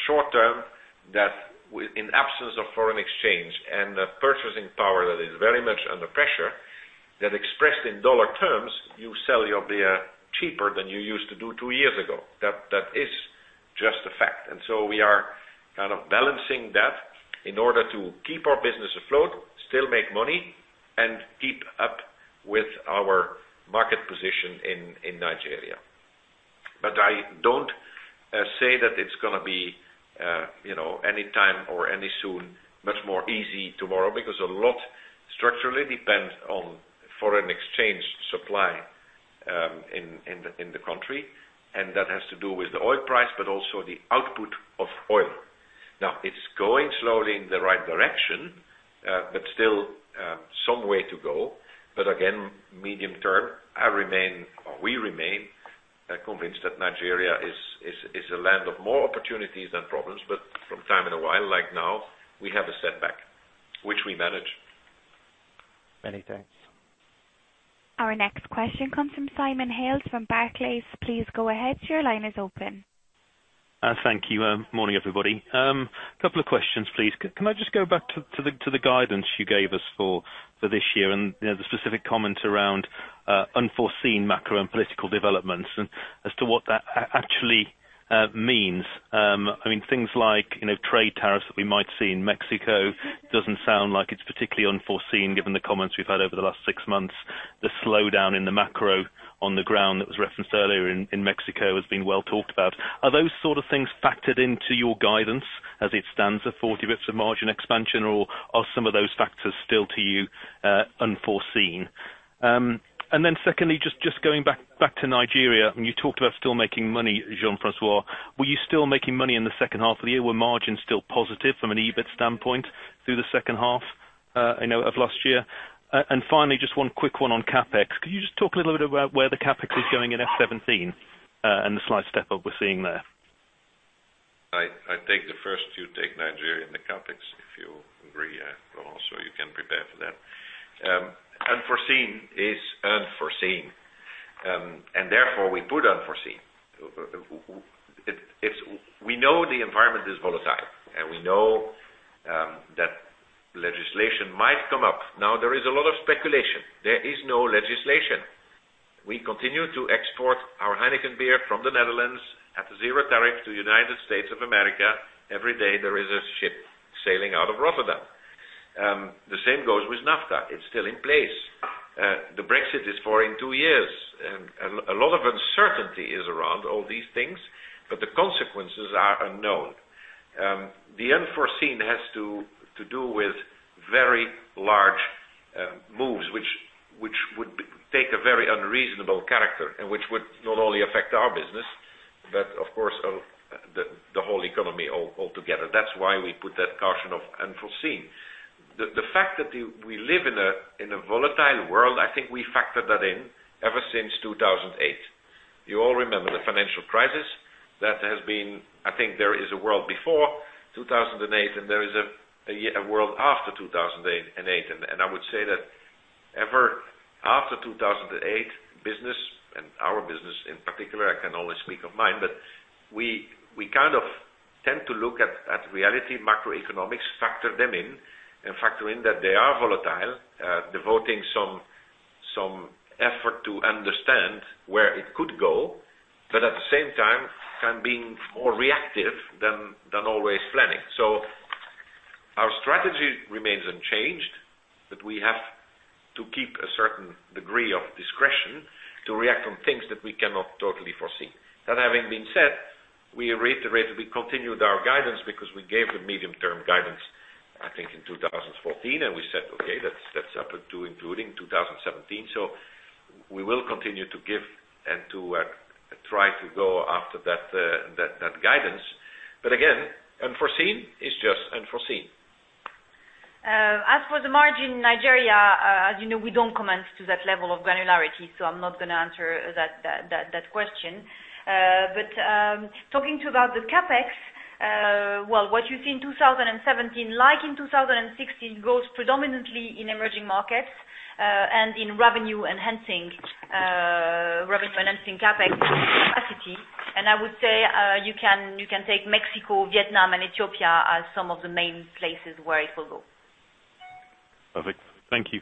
Short-term, that in absence of foreign exchange and purchasing power, that is very much under pressure, that expressed in dollar terms, you sell your beer cheaper than you used to do two years ago. That is just a fact. We are kind of balancing that in order to keep our business afloat, still make money, and keep up with our market position in Nigeria. I don't say that it's going to be any time or any soon, much more easy tomorrow because a lot structurally depends on foreign exchange supply in the country, and that has to do with the oil price, but also the output of oil. Now it's going slowly in the right direction. Still some way to go. Again, medium term, I remain, or we remain convinced that Nigeria is a land of more opportunities than problems. From time in a while, like now, we have a setback, which we manage. Many thanks. Our next question comes from Simon Hales from Barclays. Please go ahead. Your line is open. Thank you. Morning, everybody. Couple of questions, please. Can I just go back to the guidance you gave us for this year and the specific comment around unforeseen macro and political developments and as to what that actually means. Things like trade tariffs that we might see in Mexico doesn't sound like it's particularly unforeseen given the comments we've had over the last 6 months. The slowdown in the macro on the ground that was referenced earlier in Mexico has been well talked about. Are those sort of things factored into your guidance as it stands at 40 basis points of margin expansion, or are some of those factors still to you unforeseen? Secondly, just going back to Nigeria, you talked about still making money, Jean-François. Were you still making money in the second half of the year? Were margins still positive from an EBIT standpoint through the second half of last year? Finally, just one quick one on CapEx. Could you just talk a little bit about where the CapEx is going in FY 2017 and the slight step-up we're seeing there? I take the first, you take Nigeria and the CapEx, if you agree, Laurence. You can prepare for that. Unforeseen is unforeseen, therefore we put unforeseen. We know the environment is volatile. We know that legislation might come up. There is a lot of speculation. There is no legislation. We continue to export our Heineken beer from the Netherlands at zero tariff to U.S. Every day there is a ship sailing out of Rotterdam. The same goes with NAFTA. It's still in place. The Brexit is for in two years. A lot of uncertainty is around all these things. The consequences are unknown. The unforeseen has to do with very large moves, which would take a very unreasonable character and which would not only affect our business, of course, the whole economy altogether. That's why we put that caution of unforeseen. The fact that we live in a volatile world, I think we factored that in ever since 2008. You all remember the financial crisis that has been. I think there is a world before 2008. There is a world after 2008. I would say that ever after 2008, business and our business in particular, I can only speak of mine. We kind of tend to look at reality macroeconomics, factor them in. Factor in that they are volatile, devoting some effort to understand where it could go. At the same time can be more reactive than always planning. Our strategy remains unchanged, we have to keep a certain degree of discretion to react on things that we cannot totally foresee. That having been said, we reiterate, we continued our guidance because we gave the medium-term guidance, I think, in 2014, and we said, okay, that's up to including 2017. We will continue to give and to try to go after that guidance. Again, unforeseen is just unforeseen. For the margin, Nigeria, as you know, we don't comment to that level of granularity, so I'm not going to answer that question. Talking to you about the CapEx, well, what you see in 2017, like in 2016, goes predominantly in emerging markets, and in revenue enhancing CapEx capacity. I would say, you can take Mexico, Vietnam, and Ethiopia as some of the main places where it will go. Perfect. Thank you.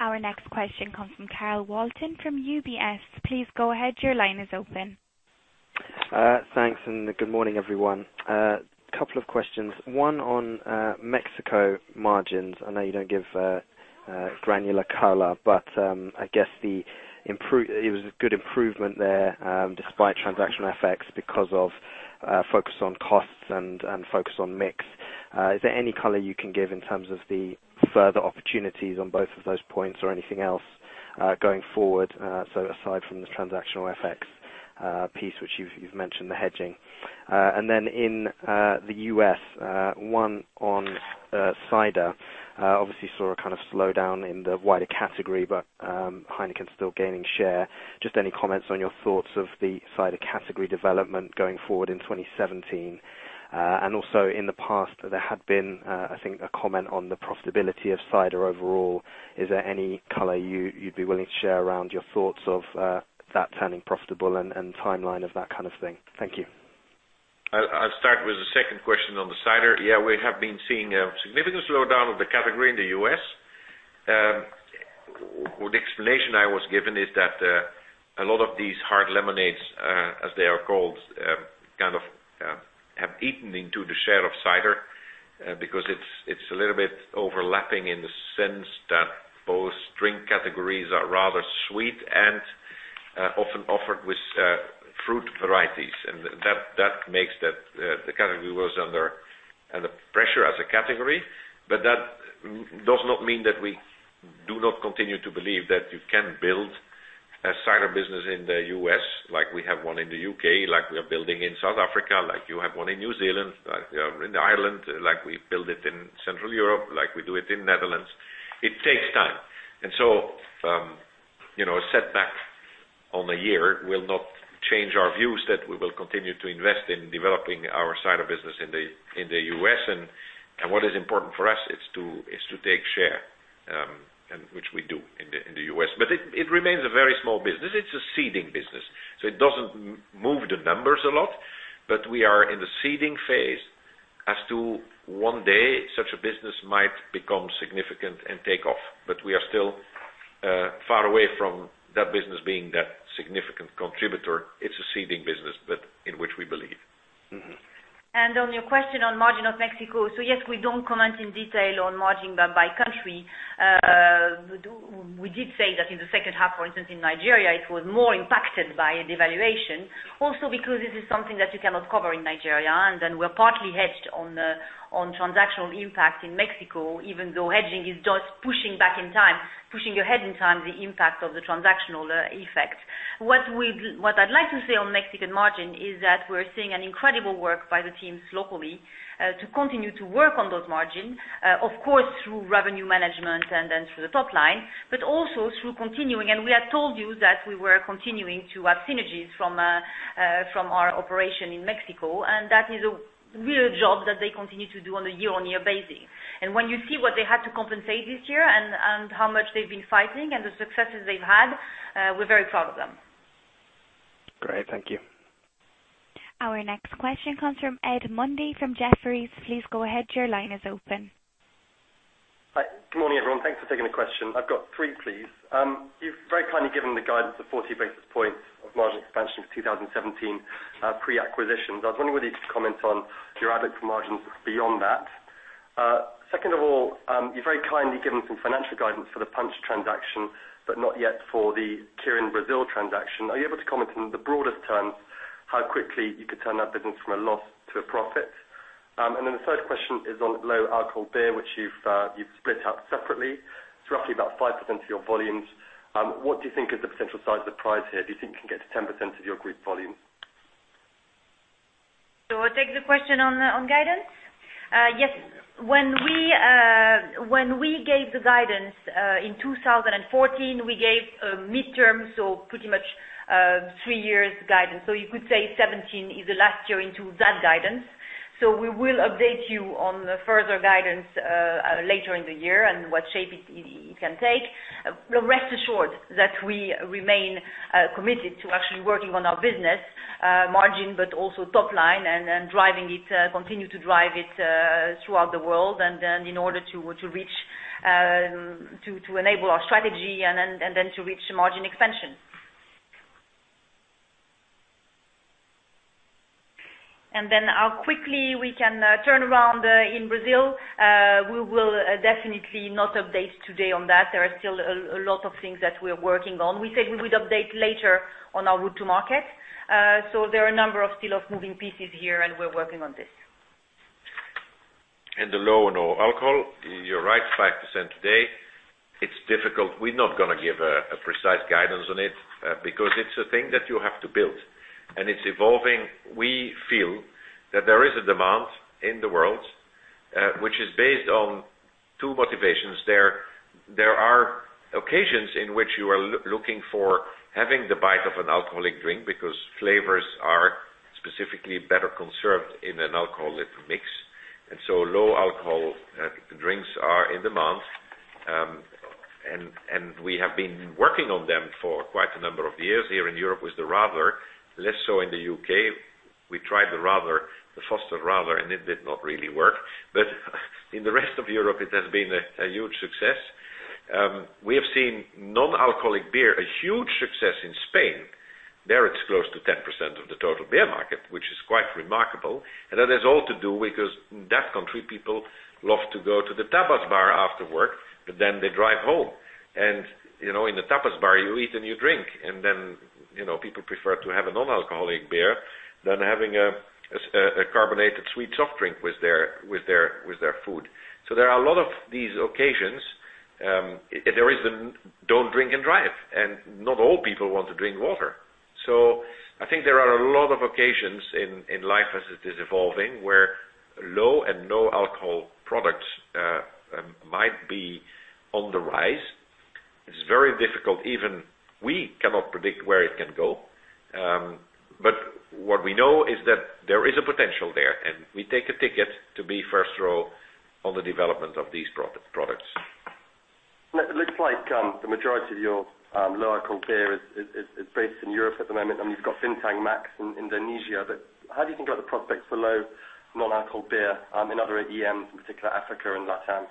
Our next question comes from Carl Walton from UBS. Please go ahead. Your line is open. Thanks, good morning, everyone. Couple of questions. One on Mexico margins. I know you do not give granular color, I guess it was a good improvement there, despite transactional effects because of a focus on costs and focus on mix. Is there any color you can give in terms of the further opportunities on both of those points or anything else, going forward, aside from the transactional FX piece, which you have mentioned the hedging. In the U.S., one on cider. Obviously saw a kind of slowdown in the wider category, Heineken still gaining share. Just any comments on your thoughts of the cider category development going forward in 2017. Also in the past there had been, I think, a comment on the profitability of cider overall. Is there any color you would be willing to share around your thoughts of that turning profitable and timeline of that kind of thing? Thank you. I will start with the second question on the cider. Yes, we have been seeing a significant slowdown of the category in the U.S. The explanation I was given is that a lot of these hard lemonades, as they are called, have eaten into the share of cider, because it is a little bit overlapping in the sense that both drink categories are rather sweet and often offered with fruit varieties. That makes that the category was under pressure as a category. That does not mean that we do not continue to believe that you can build a cider business in the U.S. like we have one in the U.K., like we are building in South Africa, like you have one in New Zealand, like we have in Ireland, like we build it in Central Europe, like we do it in Netherlands. It takes time. A setback on a year will not change our views that we will continue to invest in developing our cider business in the U.S. What is important for us is to take share, which we do in the U.S. It remains a very small business. It is a seeding business, it does not move the numbers a lot. We are in the seeding phase as to one day, such a business might become significant and take off. We are still far away from that business being that significant contributor. It is a seeding business, in which we believe. On your question on margin of Mexico. Yes, we don't comment in detail on margin by country. We did say that in the second half, for instance, in Nigeria, it was more impacted by a devaluation, also because this is something that you cannot cover in Nigeria. Then we're partly hedged on transactional impact in Mexico, even though hedging is just pushing back in time, pushing ahead in time the impact of the transactional effect. What I'd like to say on Mexican margin is that we're seeing an incredible work by the teams locally, to continue to work on those margin, of course through revenue management and then through the top line, but also through continuing. We had told you that we were continuing to have synergies from our operation in Mexico, and that is a real job that they continue to do on a year-on-year basis. When you see what they had to compensate this year and how much they've been fighting and the successes they've had, we're very proud of them. Great. Thank you. Our next question comes from Ed Mundy from Jefferies. Please go ahead. Your line is open. Good morning, everyone. Thanks for taking the question. I've got three, please. You've very kindly given the guidance of 40 basis points of margin expansion for 2017 pre-acquisition. I was wondering whether you could comment on your outlook for margins beyond that. Second of all, you've very kindly given some financial guidance for the Punch transaction, but not yet for the Brasil Kirin transaction. Are you able to comment in the broadest terms how quickly you could turn that business from a loss to a profit? The third question is on low-alcohol beer, which you've split out separately. It's roughly about 5% of your volumes. What do you think is the potential size of the prize here? Do you think it can get to 10% of your group volume? I'll take the question on guidance. Yes. When we gave the guidance, in 2014, we gave a midterm, so pretty much three years guidance. You could say 2017 is the last year into that guidance. We will update you on the further guidance later in the year and what shape it can take. Rest assured that we remain committed to actually working on our business margin, but also top line and continue to drive it throughout the world, in order to enable our strategy to reach margin expansion. How quickly we can turn around in Brazil. We will definitely not update today on that. There are still a lot of things that we are working on. We said we would update later on our route to market. There are a number of still moving pieces here, and we're working on this. The low and no alcohol, you're right, 5% today. It's difficult. We're not going to give a precise guidance on it, because it's a thing that you have to build. It's evolving. We feel that there is a demand in the world, which is based on two motivations. There are occasions in which you are looking for having the bite of an alcoholic drink because flavors are specifically better conserved in an alcoholic mix. Low alcohol drinks are in demand. We have been working on them for quite a number of years here in Europe with the Radler, less so in the U.K. We tried the Foster's Radler, it did not really work. In the rest of Europe, it has been a huge success. We have seen non-alcoholic beer, a huge success in Spain. There, it's close to 10% of the total beer market, which is quite remarkable. That has all to do because, in that country, people love to go to the tapas bar after work. They drive home. In the tapas bar, you eat and you drink. People prefer to have a non-alcoholic beer than having a carbonated sweet soft drink with their food. There are a lot of these occasions. There is the don't drink and drive, and not all people want to drink water. I think there are a lot of occasions in life as it is evolving, where low and no alcohol products might be on the rise. It's very difficult. Even we cannot predict where it can go. What we know is that there is a potential there, and we take a ticket to be first row on the development of these products. It looks like the majority of your low alcohol beer is based in Europe at the moment, and you've got Bintang Maxx in Indonesia. How do you think about the prospects for low non-alcohol beer, in other EM, in particular Africa and LATAM?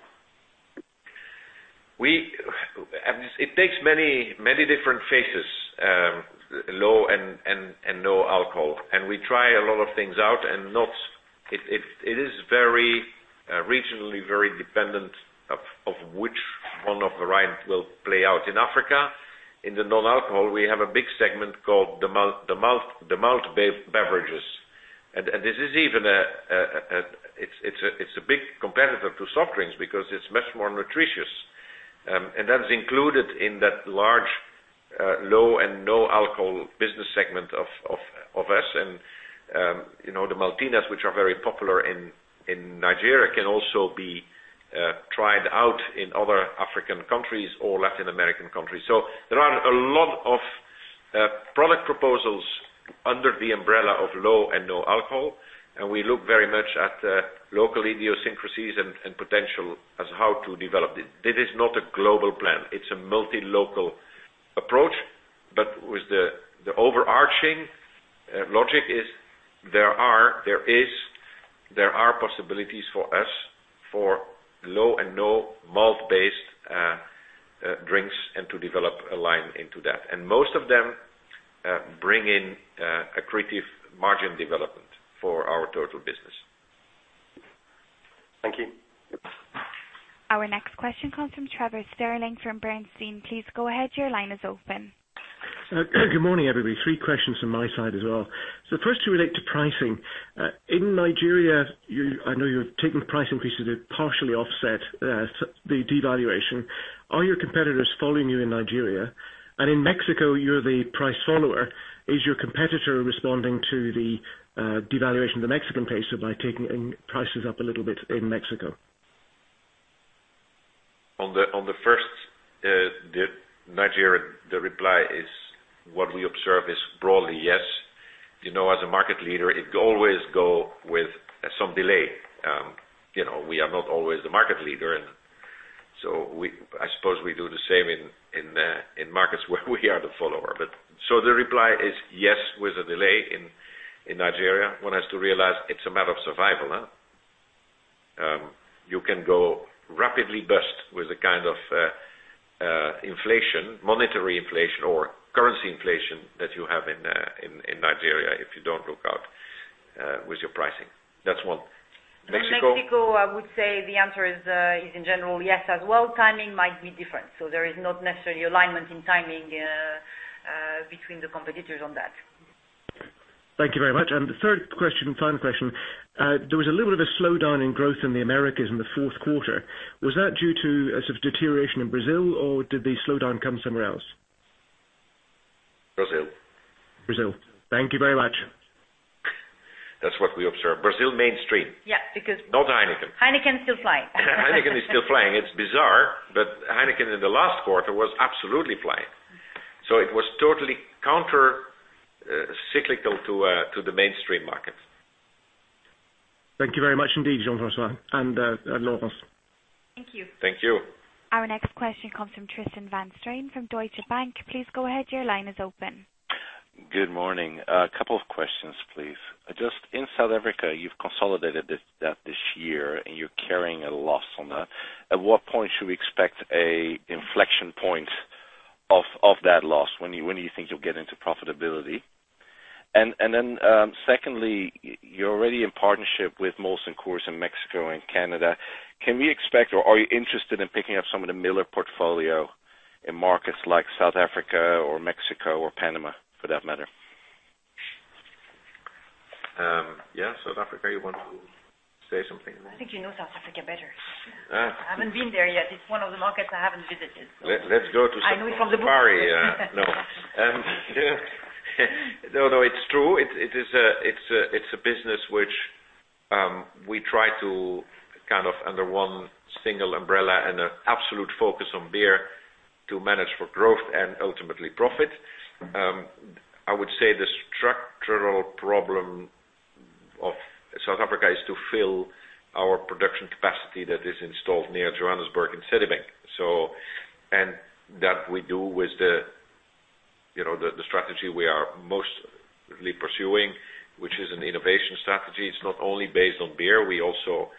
It takes many different faces, low and no alcohol. We try a lot of things out. It is regionally very dependent of which one of the varieties will play out. In Africa, in the non-alcohol, we have a big segment called the malt beverages. This is even a big competitor to soft drinks because it's much more nutritious. That is included in that large low and no alcohol business segment of us. The Maltina, which are very popular in Nigeria, can also be tried out in other African countries or Latin American countries. There are a lot of product proposals under the umbrella of low and no alcohol, and we look very much at local idiosyncrasies and potential as how to develop it. This is not a global plan. It's a multi-local approach, with the overarching logic is there are possibilities for us for low and no malt-based drinks and to develop a line into that. Most of them bring in accretive margin development for our total business. Thank you. Our next question comes from Trevor Stirling from Bernstein. Please go ahead. Your line is open. Good morning, everybody. Three questions from my side as well. First, to relate to pricing. In Nigeria, I know you've taken price increases to partially offset the devaluation. Are your competitors following you in Nigeria? In Mexico, you're the price follower. Is your competitor responding to the devaluation of the Mexican peso by taking prices up a little bit in Mexico? On the first, the Nigeria, the reply is, what we observe is broadly, yes. As a market leader, it always goes with some delay. We are not always the market leader. I suppose we do the same in markets where we are the follower. The reply is yes, with a delay in Nigeria. One has to realize it's a matter of survival. You can go rapidly bust with the kind of inflation, monetary inflation or currency inflation that you have in Nigeria if you don't look out with your pricing. That's one. Mexico? In Mexico, I would say the answer is in general, yes, as well. Timing might be different. There is not necessarily alignment in timing between the competitors on that. Thank you very much. The third question, final question. There was a little bit of a slowdown in growth in the Americas in the fourth quarter. Was that due to a sort of deterioration in Brazil, or did the slowdown come somewhere else? Brazil. Brazil. Thank you very much. That's what we observe. Brazil mainstream. Yeah. Not Heineken. Heineken still flying. Heineken is still flying. It's bizarre, Heineken in the last quarter was absolutely flying. It was totally counter cyclical to the mainstream market. Thank you very much indeed, Jean-François and Laurence. Thank you. Thank you. Our next question comes from Raoul-Tristan Van Strien from Deutsche Bank. Please go ahead. Your line is open. Good morning. A couple of questions, please. Just in South Africa, you've consolidated that this year, and you're carrying a loss on that. At what point should we expect an inflection point of that loss? When do you think you'll get into profitability? Then, secondly, you're already in partnership with Molson Coors in Mexico and Canada. Can we expect, or are you interested in picking up some of the Miller portfolio in markets like South Africa or Mexico or Panama, for that matter? Yeah, South Africa, you want to say something? I think you know South Africa better. I haven't been there yet. It's one of the markets I haven't visited. Let's go to South Africa. I know it from the books. No. No, it's true. It's a business which we try to, under one single umbrella and an absolute focus on beer, to manage for growth and ultimately profit. I would say the structural problem of South Africa is to fill our production capacity that is installed near Johannesburg in Sedibeng. That we do with the strategy we are mostly pursuing, which is an innovation strategy. It's not only based on beer. We also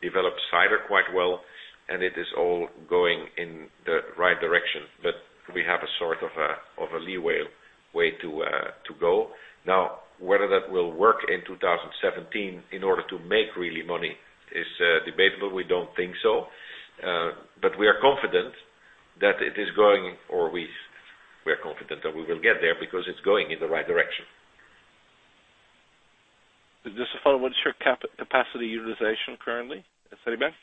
develop cider quite well, and it is all going in the right direction. We have a lee way to go. Now, whether that will work in 2017 in order to make really money is debatable. We don't think so. We are confident that we will get there because it's going in the right direction. Just to follow, what's your capacity utilization currently in Sedibeng?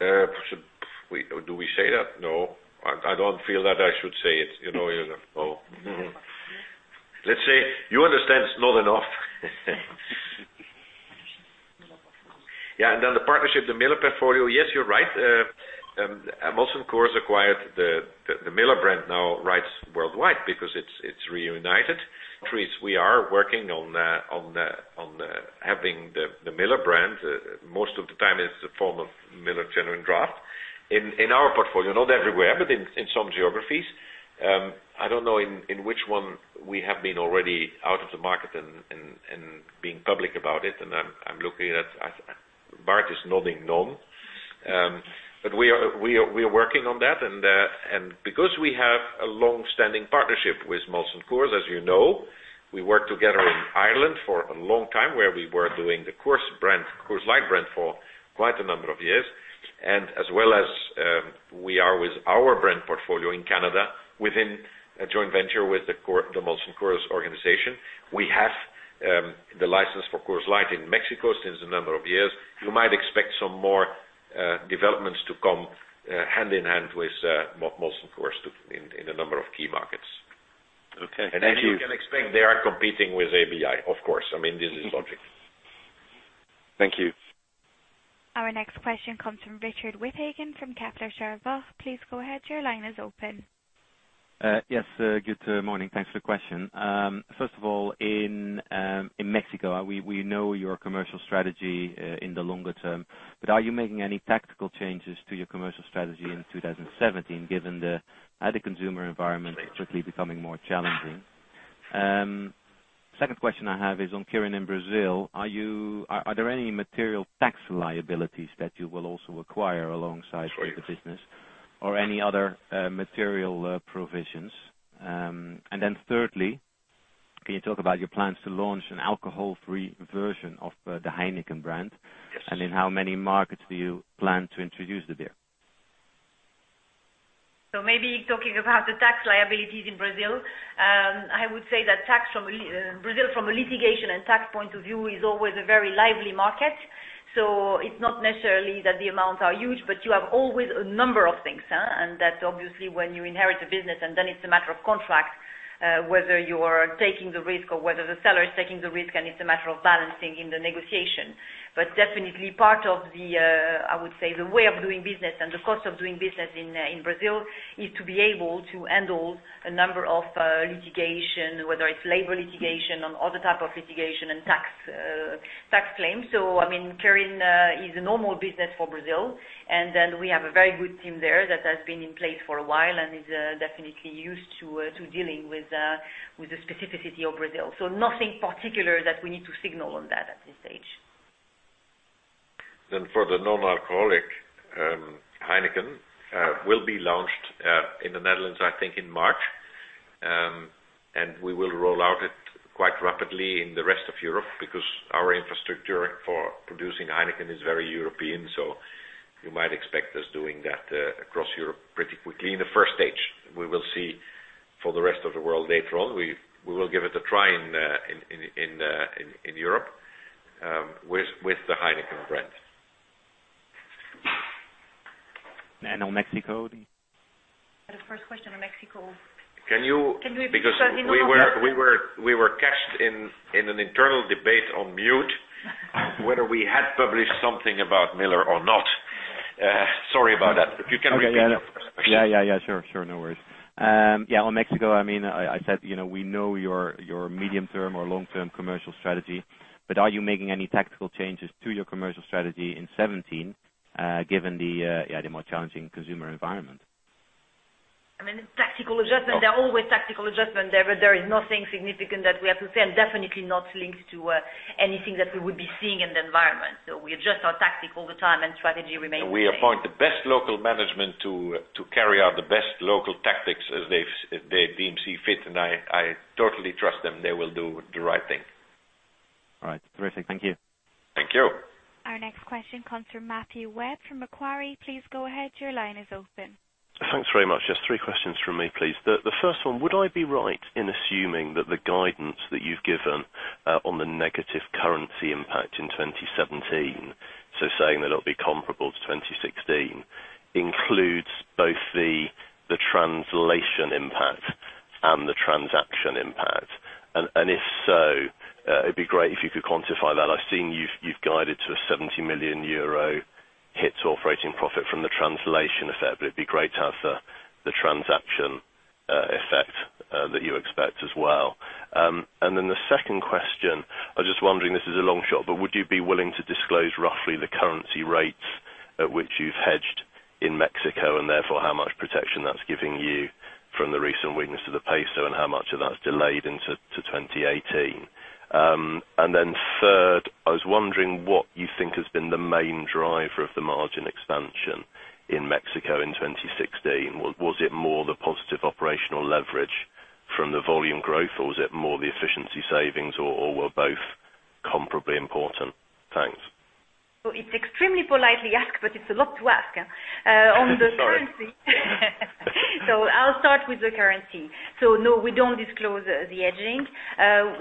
Do we say that? No. I don't feel that I should say it. Oh. Let's say, you understand it's not enough. Miller portfolio. Yeah. Then the partnership, the Miller portfolio. Yes, you're right. Molson Coors acquired the Miller brand now rights worldwide because it's reunited. We are working on having the Miller brand. Most of the time it's a form of Miller Genuine Draft. In our portfolio, not everywhere, but in some geographies. I don't know in which one we have been already out of the market and being public about it, and I'm looking at Bart is nodding no. We are working on that. Because we have a longstanding partnership with Molson Coors, as you know, we worked together in Ireland for a long time, where we were doing the Coors Light brand for quite a number of years. As well as we are with our brand portfolio in Canada within a joint venture with the Molson Coors organization. We have the license for Coors Light in Mexico since a number of years. You might expect some more developments to come hand in hand with Molson Coors in a number of key markets. Okay. Thank you. As you can expect, they are competing with ABI, of course. This is logic. Thank you. Our next question comes from Richard Withagen from Kepler Cheuvreux. Please go ahead. Your line is open. Yes. Good morning. Thanks for the question. First of all, in Mexico, we know your commercial strategy in the longer term, but are you making any tactical changes to your commercial strategy in 2017 given the other consumer environment quickly becoming more challenging? Second question I have is on Kirin in Brazil. Are there any material tax liabilities that you will also acquire alongside with the business or any other material provisions? Then thirdly, can you talk about your plans to launch an alcohol-free version of the Heineken brand? Yes. In how many markets do you plan to introduce the beer? Maybe talking about the tax liabilities in Brazil. I would say that Brazil, from a litigation and tax point of view, is always a very lively market. It's not necessarily that the amounts are huge, but you have always a number of things. That obviously when you inherit a business, then it's a matter of contract, whether you are taking the risk or whether the seller is taking the risk, and it's a matter of balancing in the negotiation. Definitely part of the, I would say, the way of doing business and the cost of doing business in Brazil is to be able to handle a number of litigation, whether it's labor litigation or other type of litigation and tax claims. Kirin is a normal business for Brazil, and then we have a very good team there that has been in place for a while and is definitely used to dealing with the specificity of Brazil. Nothing particular that we need to signal on that at this stage. For the non-alcoholic Heineken, will be launched in the Netherlands, I think in March. We will roll out it quite rapidly in the rest of Europe because our infrastructure for producing Heineken is very European. You might expect us doing that across Europe pretty quickly in the stage 1. We will see for the rest of the world later on. We will give it a try in Europe with the Heineken brand. On Mexico? The first question on Mexico. We were caught in an internal debate on mute whether we had published something about Miller or not. Sorry about that. You can repeat your first question. Yeah. Sure. No worries. On Mexico, I said, we know your medium-term or long-term commercial strategy, but are you making any tactical changes to your commercial strategy in 2017 given the more challenging consumer environment? Tactical adjustment. There are always tactical adjustment there. There is nothing significant that we have to say, and definitely not linked to anything that we would be seeing in the environment. We adjust our tactic all the time, and strategy remains the same. We appoint the best local management to carry out the best local tactics as they deem see fit, and I totally trust them they will do the right thing. All right. Terrific. Thank you. Thank you. Our next question comes from Matthew Webb from Macquarie. Please go ahead. Your line is open. Thanks very much. Just three questions from me, please. The first one, would I be right in assuming that the guidance that you've given on the negative currency impact in 2017, saying that it'll be comparable to 2016, includes both the translation impact and the transaction impact? If so, it'd be great if you could quantify that. I've seen you've guided to a €70 million hit operating profit from the translation effect, but it'd be great to have the transaction effect that you expect as well. The second question, I was just wondering, this is a long shot, but would you be willing to disclose roughly the currency rates at which you've hedged in Mexico, and therefore how much protection that's giving you from the recent weakness of the peso and how much of that's delayed into 2018? Third, I was wondering what you think has been the main driver of the margin expansion in Mexico in 2016. Was it more the positive operational leverage from the volume growth, or was it more the efficiency savings, or were both comparably important? Thanks. It's extremely politely asked, but it's a lot to ask. Sorry. I'll start with the currency. No, we don't disclose the hedging.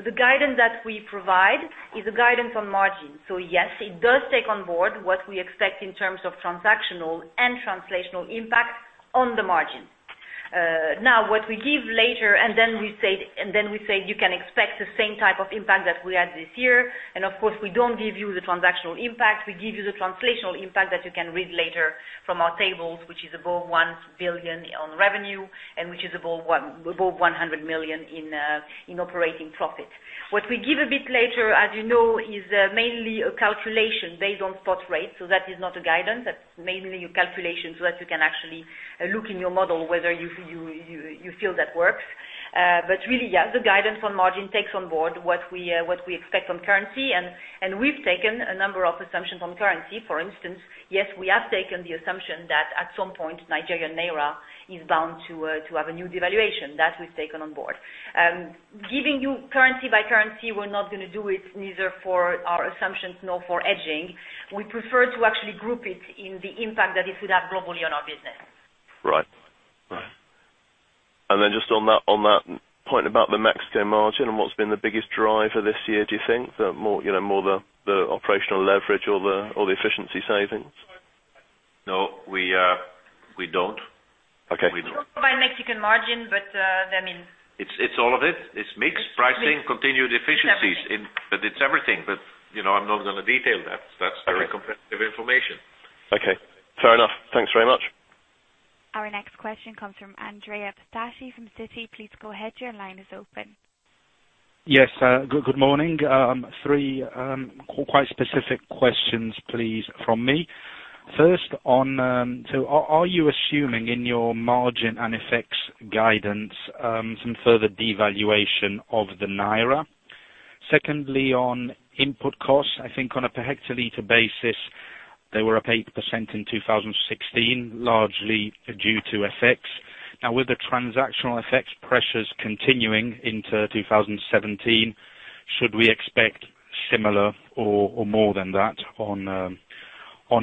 The guidance that we provide is a guidance on margin. Yes, it does take on board what we expect in terms of transactional and translational impact on the margin. Now, what we give later, and then we say you can expect the same type of impact that we had this year. Of course, we don't give you the transactional impact. We give you the translational impact that you can read later from our tables, which is above 1 billion on revenue and which is above 100 million in operating profit. What we give a bit later, as you know, is mainly a calculation based on spot rates. That is not a guidance. That's mainly your calculation, so that you can actually look in your model whether you feel that works. Really, the guidance on margin takes on board what we expect on currency, and we've taken a number of assumptions on currency. For instance, yes, we have taken the assumption that at some point, Nigerian naira is bound to have a new devaluation. That we've taken on board. Giving you currency by currency, we're not going to do it, neither for our assumptions nor for hedging. We prefer to actually group it in the impact that it will have globally on our business. Right. Just on that point about the Mexican margin and what's been the biggest driver this year, do you think? More the operational leverage or the efficiency savings? No, we don't. Okay. We talk about Mexican margin, that means It's all of it. It's mixed. Pricing, continued efficiencies. It's everything. I'm not going to detail that. Okay. That's very competitive information. Okay, fair enough. Thanks very much. Our next question comes from Andrea Pistacchi from Citi. Please go ahead. Your line is open. Yes. Good morning. Three quite specific questions, please, from me. First, are you assuming in your margin and effects guidance, some further devaluation of the naira? Secondly, on input costs, I think on a per hectoliter basis, they were up 8% in 2016, largely due to FX. With the transactional FX pressures continuing into 2017, should we expect similar or more than that on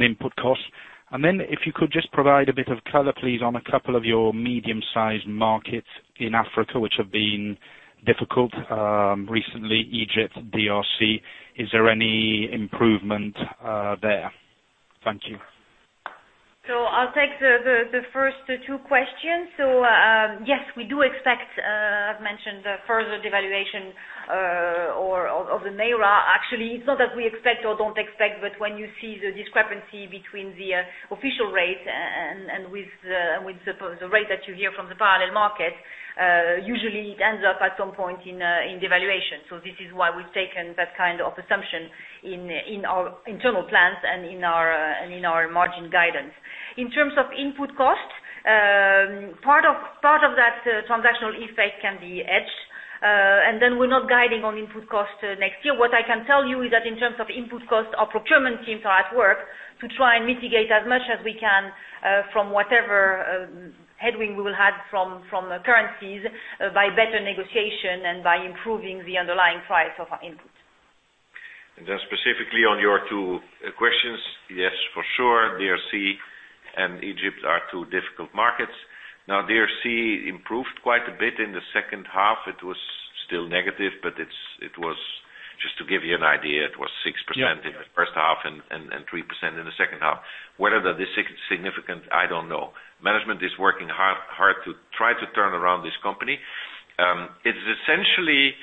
input costs? Then if you could just provide a bit of color, please, on a couple of your medium-sized markets in Africa, which have been difficult recently, Egypt, DRC. Is there any improvement there? Thank you. I'll take the first two questions. Yes, we do expect, I've mentioned, further devaluation of the naira. Actually, it's not that we expect or don't expect, but when you see the discrepancy between the official rate and with the rate that you hear from the parallel market, usually it ends up at some point in devaluation. This is why we've taken that kind of assumption in our internal plans and in our margin guidance. In terms of input costs, part of that transactional effect can be hedged, we're not guiding on input cost next year. What I can tell you is that in terms of input cost, our procurement teams are at work to try and mitigate as much as we can from whatever headwind we will have from currencies by better negotiation and by improving the underlying price of our input. Specifically on your two questions, yes, for sure, DRC and Egypt are two difficult markets. DRC improved quite a bit in the second half. It was still negative, but it was, just to give you an idea, it was 6% in the first half and 3% in the second half. Whether that is significant, I don't know. Management is working hard to try to turn around this company. It is essentially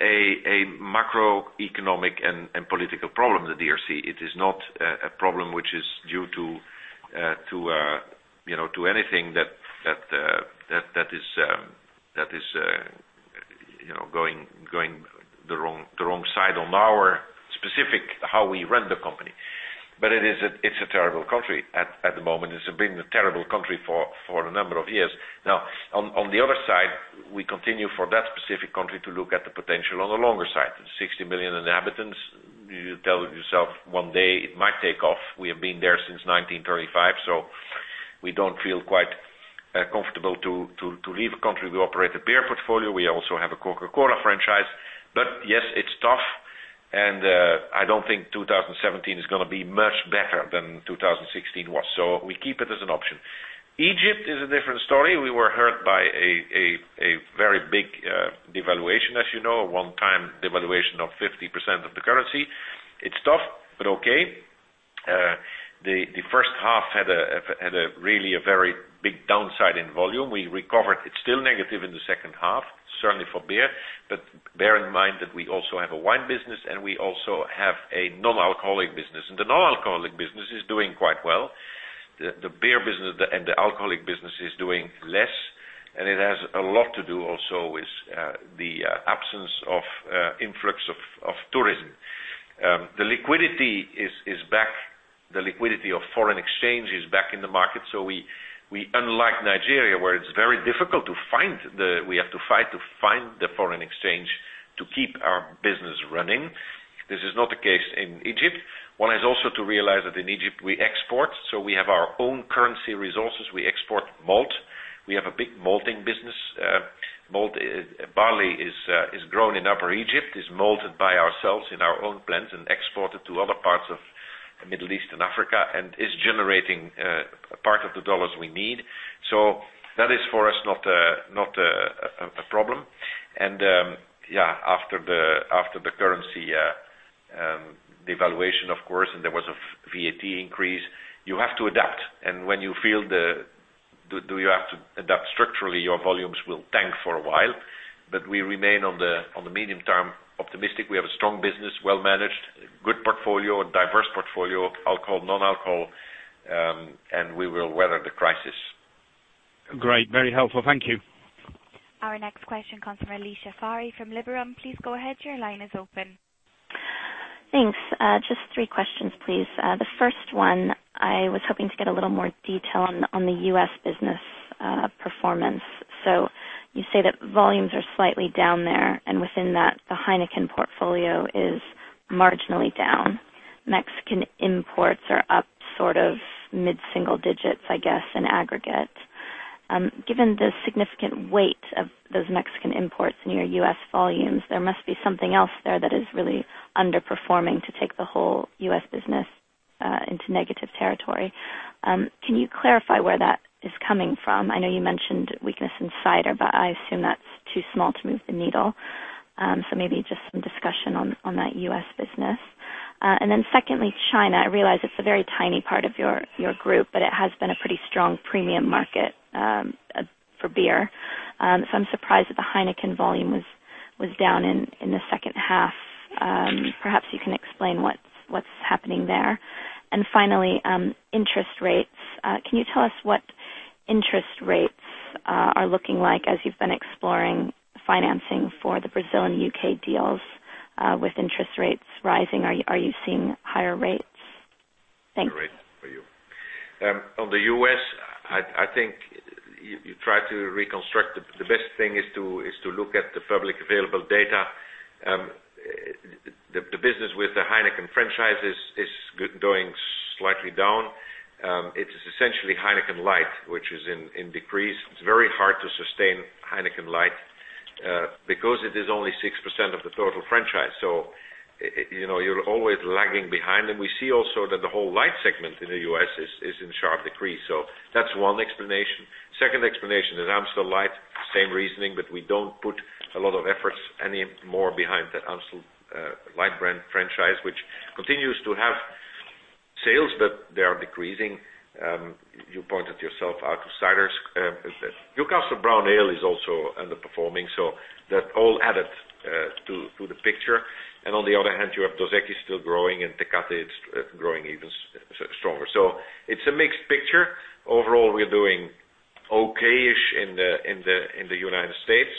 a macroeconomic and political problem, the DRC. It is not a problem which is due to anything that is going the wrong side on our specific how we run the company. It's a terrible country at the moment. It's been a terrible country for a number of years. On the other side, we continue for that specific country to look at the potential on the longer side. 60 million inhabitants, you tell yourself one day it might take off. We have been there since 1935, We don't feel quite comfortable to leave a country. We operate a beer portfolio. We also have a Coca-Cola franchise. Yes, it's tough, and I don't think 2017 is going to be much better than 2016 was. We keep it as an option. Egypt is a different story. We were hurt by a very big devaluation, as you know. A one-time devaluation of 50% of the currency. It's tough, but okay. The first half had a really very big downside in volume. We recovered. It's still negative in the second half, certainly for beer. Bear in mind that we also have a wine business and we also have a non-alcoholic business. The non-alcoholic business is doing quite well. The beer business and the alcoholic business is doing less. It has a lot to do also with the absence of influx of tourism. The liquidity of foreign exchange is back in the market. Unlike Nigeria, where it's very difficult to fight to find the foreign exchange to keep our business running. This is not the case in Egypt. One has also to realize that in Egypt we export. We have our own currency resources. We export malt. We have a big malting business. Barley is grown in Upper Egypt, is malted by ourselves in our own plants, and exported to other parts of the Middle East and Africa, and is generating a part of the dollars we need. That is, for us, not a problem. After the currency devaluation, of course, there was a VAT increase, you have to adapt. When you feel that you have to adapt structurally, your volumes will tank for a while. We remain, on the medium term, optimistic. We have a strong business, well-managed, good portfolio, diverse portfolio, alcohol, non-alcohol, We will weather the crisis. Great. Very helpful. Thank you. Our next question comes from Alicia Forry from Liberum. Please go ahead. Your line is open. Thanks. Just three questions, please. The first one, I was hoping to get a little more detail on the U.S. business performance. You say that volumes are slightly down there, and within that, the Heineken portfolio is marginally down. Mexican imports are up mid-single digits, I guess, in aggregate. Given the significant weight of those Mexican imports in your U.S. volumes, there must be something else there that is really underperforming to take the whole U.S. business into negative territory. Can you clarify where that is coming from? I know you mentioned weakness in cider, but I assume that's too small to move the needle. Maybe just some discussion on that U.S. business. Then secondly, China. I realize it's a very tiny part of your group, but it has been a pretty strong premium market for beer. I'm surprised that the Heineken volume was down in the second half. Perhaps you can explain what's happening there. Finally, interest rates. Can you tell us what interest rates are looking like as you've been exploring financing for the Brazil and U.K. deals with interest rates rising? Are you seeing higher rates? Thanks. Great for you. On the U.S., I think you try to reconstruct. The best thing is to look at the public available data. The business with the Heineken franchise is going slightly down. It is essentially Heineken Light, which is in decrease. It's very hard to sustain Heineken Light because it is only 6% of the total franchise, so you're always lagging behind. We see also that the whole light segment in the U.S. is in sharp decrease. That's one explanation. Second explanation is Amstel Light, same reasoning, but we don't put a lot of efforts any more behind the Amstel Light brand franchise, which continues to have sales, but they are decreasing. You pointed yourself out to cider. Newcastle Brown Ale is also underperforming. That all added to the picture. On the other hand, you have Dos Equis still growing, and Tecate is growing even stronger. It's a mixed picture. Overall, we're doing okay-ish in the United States.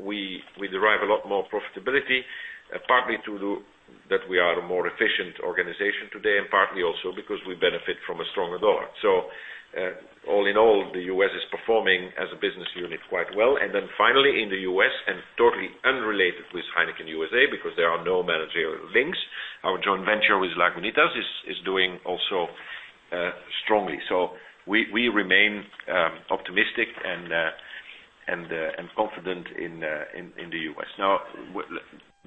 We derive a lot more profitability, partly to do that we are a more efficient organization today, and partly also because we benefit from a stronger dollar. All in all, the U.S. is performing as a business unit quite well. Finally, in the U.S., and totally unrelated with Heineken USA, because there are no managerial links, our joint venture with Lagunitas is doing also strongly. We remain optimistic and confident in the U.S.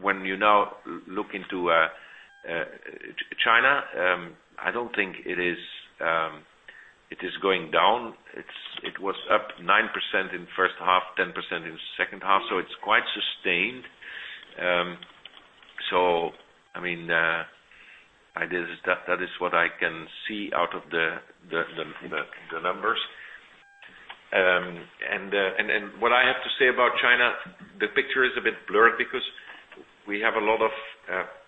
When you now look into China, I don't think it is going down. It was up 9% in the first half, 10% in the second half. It's quite sustained. That is what I can see out of the numbers. What I have to say about China, the picture is a bit blurred because we have a lot of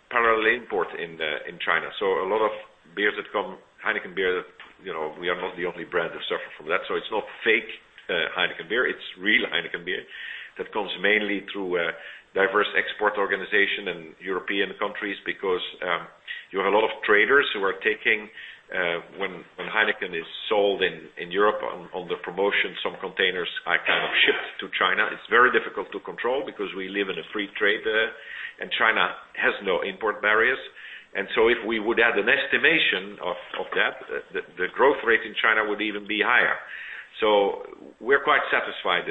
parallel import in China. A lot of beers that come, Heineken beer, we are not the only brand that suffer from that. It's not fake Heineken beer, it's real Heineken beer that comes mainly through a diverse export organization and European countries because you have a lot of traders who are taking, when Heineken is sold in Europe on the promotion, some containers are kind of shipped to China. It's very difficult to control because we live in a free trade and China has no import barriers. If we would add an estimation of that, the growth rate in China would even be higher. We're quite satisfied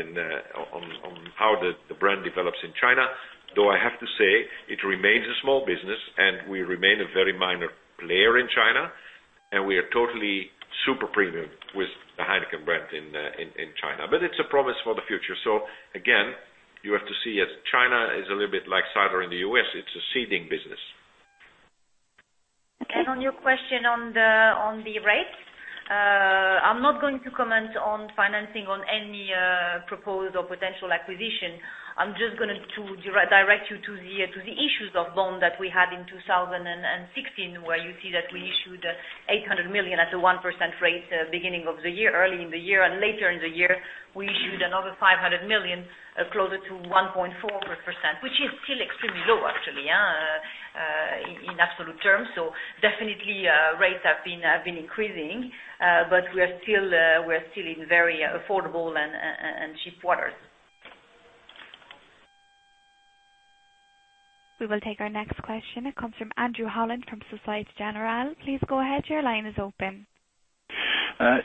on how the brand develops in China, though I have to say it remains a small business, and we remain a very minor player in China, and we are totally super premium with the Heineken brand in China. It's a promise for the future. Again, you have to see it, China is a little bit like cider in the U.S. It's a seeding business. Okay. On your question on the rates, I'm not going to comment on financing on any proposed or potential acquisition. I'm just going to direct you to the issues of bond that we had in 2016, where you see that we issued 800 million at a 1% rate beginning of the year, early in the year. Later in the year, we issued another 500 million, closer to 1.4%, which is still extremely low, actually, in absolute terms. Definitely, rates have been increasing, but we're still in very affordable and cheap waters. We will take our next question. It comes from Andrew Holland from Societe Generale. Please go ahead. Your line is open.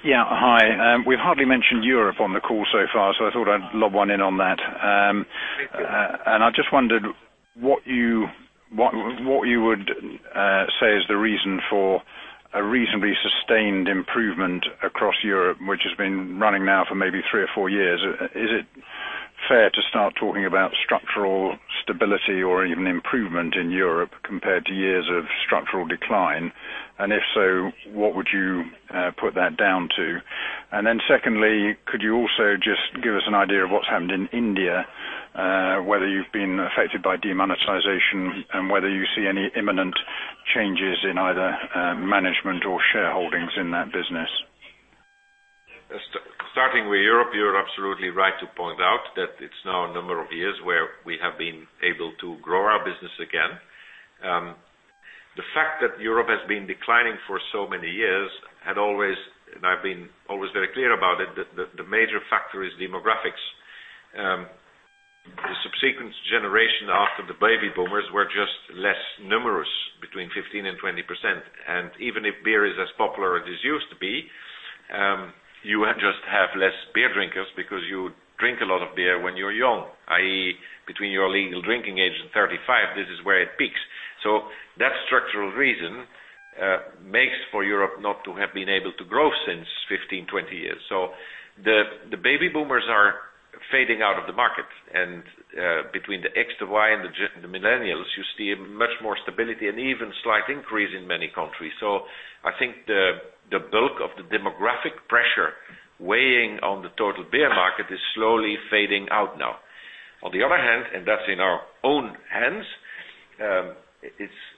Yeah. Hi. We've hardly mentioned Europe on the call so far, I thought I'd lob one in on that. Thank you. I just wondered what you would say is the reason for a reasonably sustained improvement across Europe, which has been running now for maybe three or four years. Is it fair to start talking about structural stability or even improvement in Europe compared to years of structural decline? If so, what would you put that down to? Then secondly, could you also just give us an idea of what's happened in India, whether you've been affected by demonetization and whether you see any imminent changes in either management or shareholdings in that business? Starting with Europe, you're absolutely right to point out that it's now a number of years where we have been able to grow our business again. The fact that Europe has been declining for so many years had always, and I've been always very clear about it, that the major factor is demographics. The subsequent generation after the baby boomers were just less numerous, between 15%-20%. Even if beer is as popular as it used to be, you just have less beer drinkers because you drink a lot of beer when you're young, i.e., between your legal drinking age and 35. This is where it peaks. That structural reason makes for Europe not to have been able to grow since 15-20 years. The baby boomers are fading out of the market, between the X, the Y, and the millennials, you see a much more stability and even slight increase in many countries. I think the bulk of the demographic pressure weighing on the total beer market is slowly fading out now. On the other hand, that's in our own hands,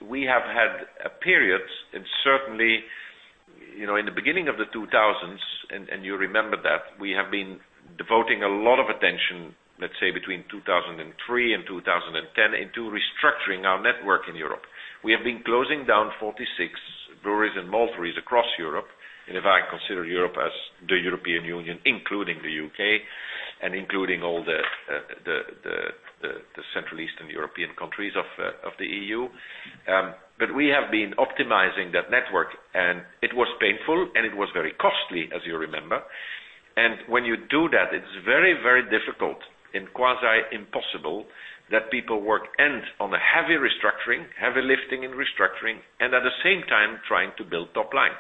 we have had periods, certainly, in the beginning of the 2000s, you remember that we have been devoting a lot of attention, let's say, between 2003 and 2010, into restructuring our network in Europe. We have been closing down 46 breweries and malteries across Europe. If I consider Europe as the European Union, including the U.K. and including all the Central Eastern European countries of the EU. We have been optimizing that network, it was painful, it was very costly, as you remember. When you do that, it's very, very difficult and quasi impossible that people work on a heavy restructuring, heavy lifting and restructuring, and at the same time trying to build top line.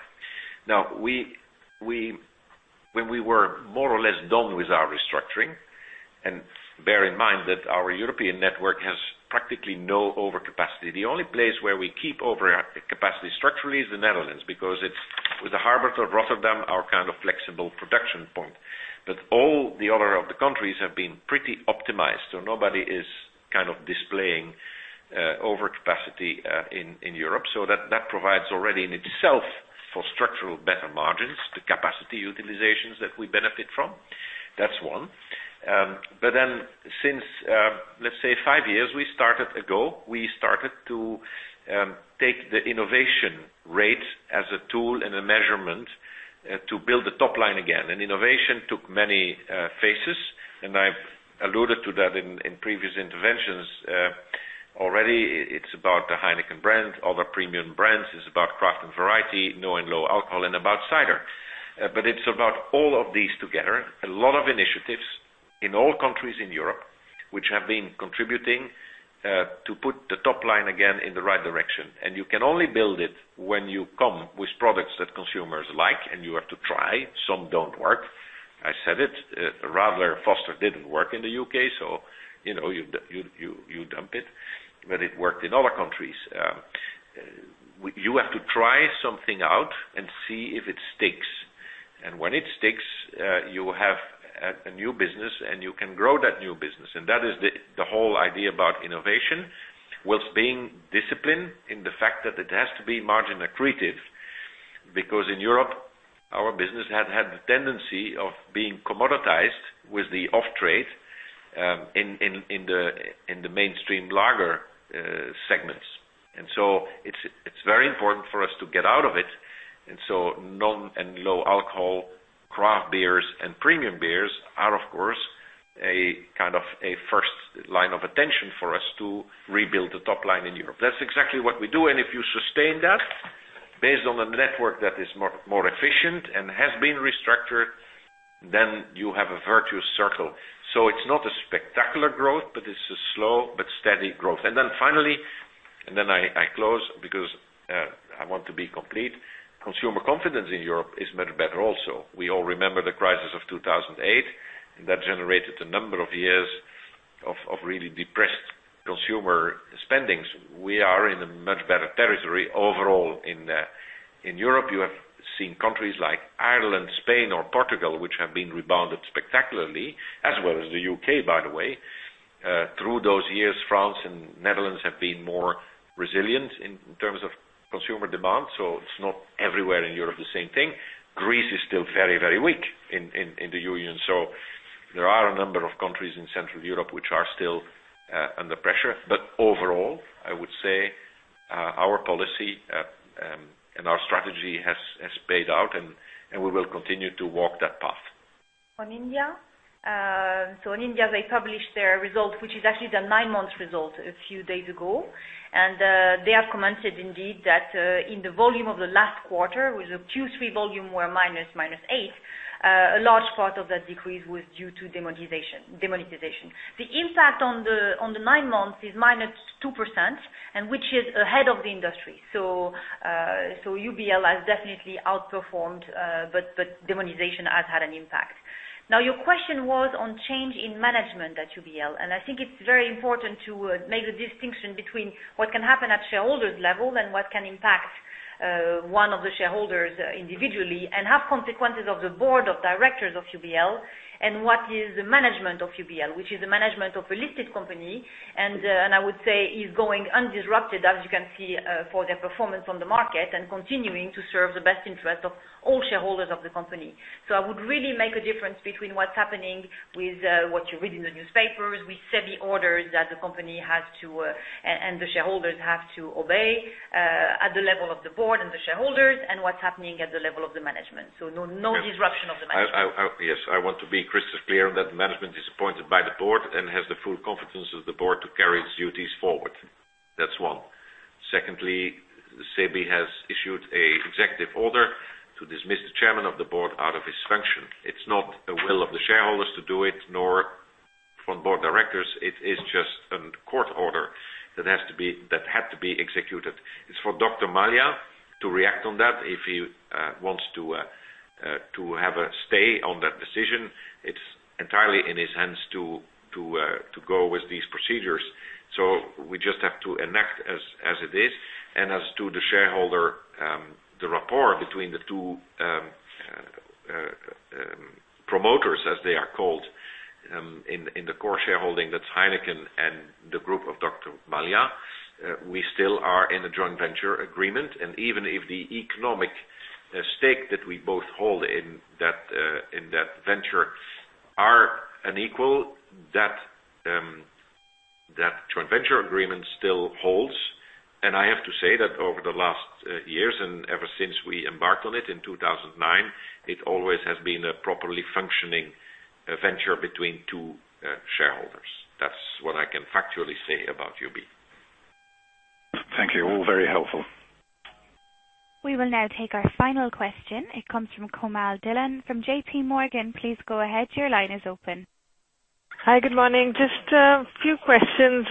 When we were more or less done with our restructuring, bear in mind that our European network has practically no overcapacity. The only place where we keep overcapacity structurally is the Netherlands, because it's with the harbor of Rotterdam, our kind of flexible production point. All the other of the countries have been pretty optimized, nobody is displaying overcapacity in Europe. That provides already in itself for structural better margins, the capacity utilizations that we benefit from. That's one. Since, let's say, five years ago, we started to take the innovation rate as a tool and a measurement to build the top line again. Innovation took many faces, and I've alluded to that in previous interventions. Already, it's about the Heineken brand, other premium brands. It's about craft and variety, no and low alcohol, about cider. It's about all of these together. A lot of initiatives in all countries in Europe, which have been contributing to put the top line again in the right direction. You can only build it when you come with products that consumers like, and you have to try. Some don't work. I said it. Foster's Radler didn't work in the U.K., you dump it. It worked in other countries. You have to try something out and see if it sticks. When it sticks, you have a new business, and you can grow that new business. That is the whole idea about innovation whilst being disciplined in the fact that it has to be margin accretive. Because in Europe, our business had the tendency of being commoditized with the off-trade in the mainstream lager segments. It's very important for us to get out of it. Non and low alcohol craft beers and premium beers are, of course, a first line of attention for us to rebuild the top line in Europe. That's exactly what we do. If you sustain that based on a network that is more efficient and has been restructured, then you have a virtuous circle. It's not a spectacular growth, but it's a slow but steady growth. Finally, I close because I want to be complete. Consumer confidence in Europe is much better also. We all remember the crisis of 2008, and that generated a number of years of really depressed consumer spendings. We are in a much better territory overall in Europe. You have seen countries like Ireland, Spain or Portugal, which have rebounded spectacularly as well as the U.K., by the way. Through those years, France and the Netherlands have been more resilient in terms of consumer demand. It's not everywhere in Europe the same thing. Greece is still very weak in the union. There are a number of countries in Central Europe which are still under pressure. Overall, I would say our policy and our strategy has paid out and we will continue to walk that path. On India. In India, they published their results, which is actually the 9-month result a few days ago, and they have commented indeed, that in the volume of the last quarter with the Q3 volume were -8%, a large part of that decrease was due to demonetization. The impact on the 9 months is -2% and which is ahead of the industry. UBL has definitely outperformed but demonetization has had an impact. Your question was on change in management at UBL, and I think it's very important to make a distinction between what can happen at shareholders level and what can impact one of the shareholders individually, and have consequences of the board of directors of UBL, and what is the management of UBL, which is the management of a listed company. I would say is going undisrupted, as you can see, for their performance on the market and continuing to serve the best interest of all shareholders of the company. I would really make a difference between what's happening with what you read in the newspapers, with SEBI orders, that the company has to, and the shareholders have to obey, at the level of the board and the shareholders and what's happening at the level of the management. No disruption of the management. Yes. I want to be crystal clear that the management is appointed by the board and has the full confidence of the board to carry its duties forward. That's one. Secondly, the SEBI has issued an executive order to dismiss the chairman of the board out of his function. It's not a will of the shareholders to do it, nor from board of directors. It is just a court order that had to be executed. It's for Dr. Mallya to react on that if he wants to have a stay on that decision. It's entirely in his hands to go with these procedures. We just have to enact as it is. As to the shareholder, the rapport between the two promoters as they are called, in the core shareholding, that's Heineken and the group of Dr. Mallya. We still are in a joint venture agreement, and even if the economic stake that we both hold in that venture are unequal, that joint venture agreement still holds. I have to say that over the last years and ever since we embarked on it in 2009, it always has been a properly functioning venture between two shareholders. That's what I can factually say about UB. Thank you. All very helpful. We will now take our final question. It comes from Komal Dhillon from J.P. Morgan. Please go ahead. Your line is open. Hi. Good morning. Just a few questions.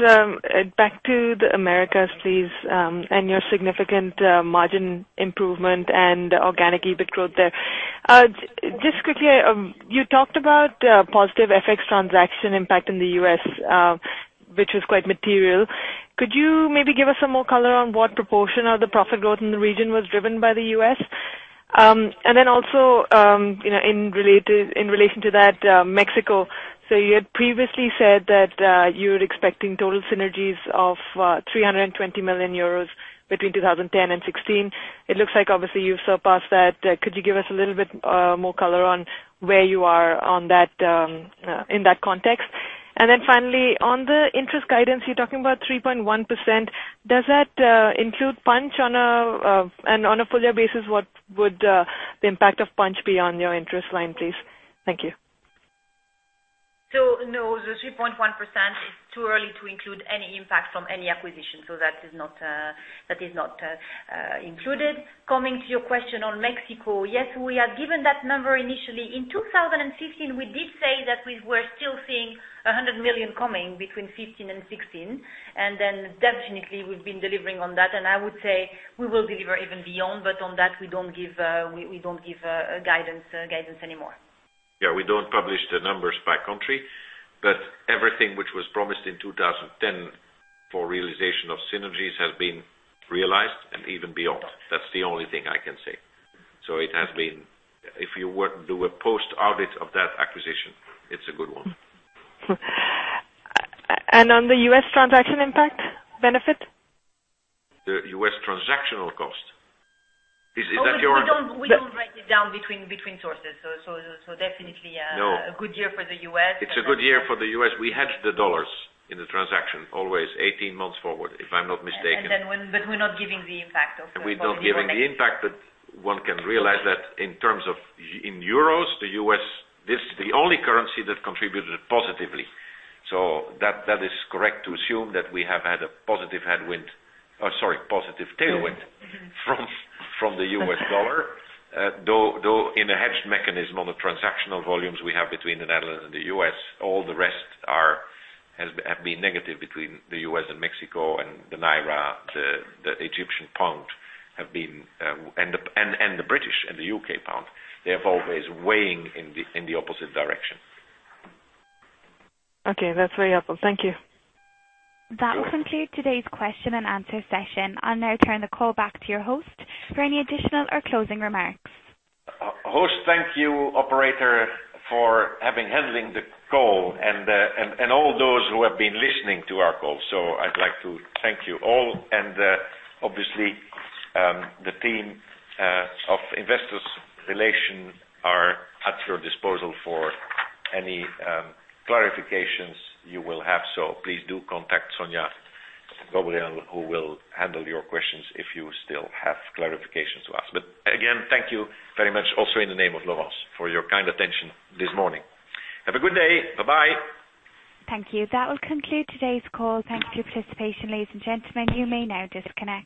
Back to the Americas, please, and your significant margin improvement and organic EBIT growth there. Just quickly, you talked about positive FX transaction impact in the U.S., which was quite material. Could you maybe give us some more color on what proportion of the profit growth in the region was driven by the U.S.? Also, in relation to that, Mexico. You had previously said that you're expecting total synergies of 320 million euros between 2010 and 2016. It looks like obviously you've surpassed that. Could you give us a little bit more color on where you are in that context? Finally on the interest guidance, you're talking about 3.1%. Does that include Punch? On a full year basis, what would the impact of Punch be on your interest line, please? Thank you. No, the 3.1% is too early to include any impact from any acquisition. That is not included. Coming to your question on Mexico. Yes, we had given that number initially. In 2015, we did say that we were still seeing 100 million coming between 2015 and 2016. Definitely we've been delivering on that. I would say we will deliver even beyond. On that, we don't give guidance anymore. Yeah, we don't publish the numbers by country. Everything which was promised in 2010 for realization of synergies has been realized and even beyond. That's the only thing I can say. If you were to do a post audit of that acquisition, it's a good one. On the U.S. transaction impact benefit? The U.S. transactional cost. Is that your- We don't break it down between sources. definitely. No. A good year for the U.S. It's a good year for the U.S. We hedged the U.S. dollars in the transaction always 18 months forward, if I'm not mistaken. We're not giving the impact. We're not giving the impact that one can realize that in terms of in EUR, the U.S., this the only currency that contributed positively. That is correct to assume that we have had a positive headwind, sorry, positive tailwind from the U.S. dollar. Though in a hedged mechanism on the transactional volumes we have between the Netherlands and the U.S., all the rest have been negative between the U.S. and Mexico and the Naira, the Egyptian pound have been, and the British and the U.K. pound, they have always weighing in the opposite direction. Okay. That's very helpful. Thank you. That will conclude today's question and answer session. I'll now turn the call back to your host for any additional or closing remarks. Thank you, operator, for handling the call and all those who have been listening to our call. I'd like to thank you all. Obviously, the team of Investor Relations are at your disposal for any clarifications you will have. Please do contact Sonia Gobrait, who will handle your questions if you still have clarifications to ask. Again, thank you very much also in the name of Laurence for your kind attention this morning. Have a good day. Bye-bye. Thank you. That will conclude today's call. Thanks for your participation, ladies and gentlemen. You may now disconnect.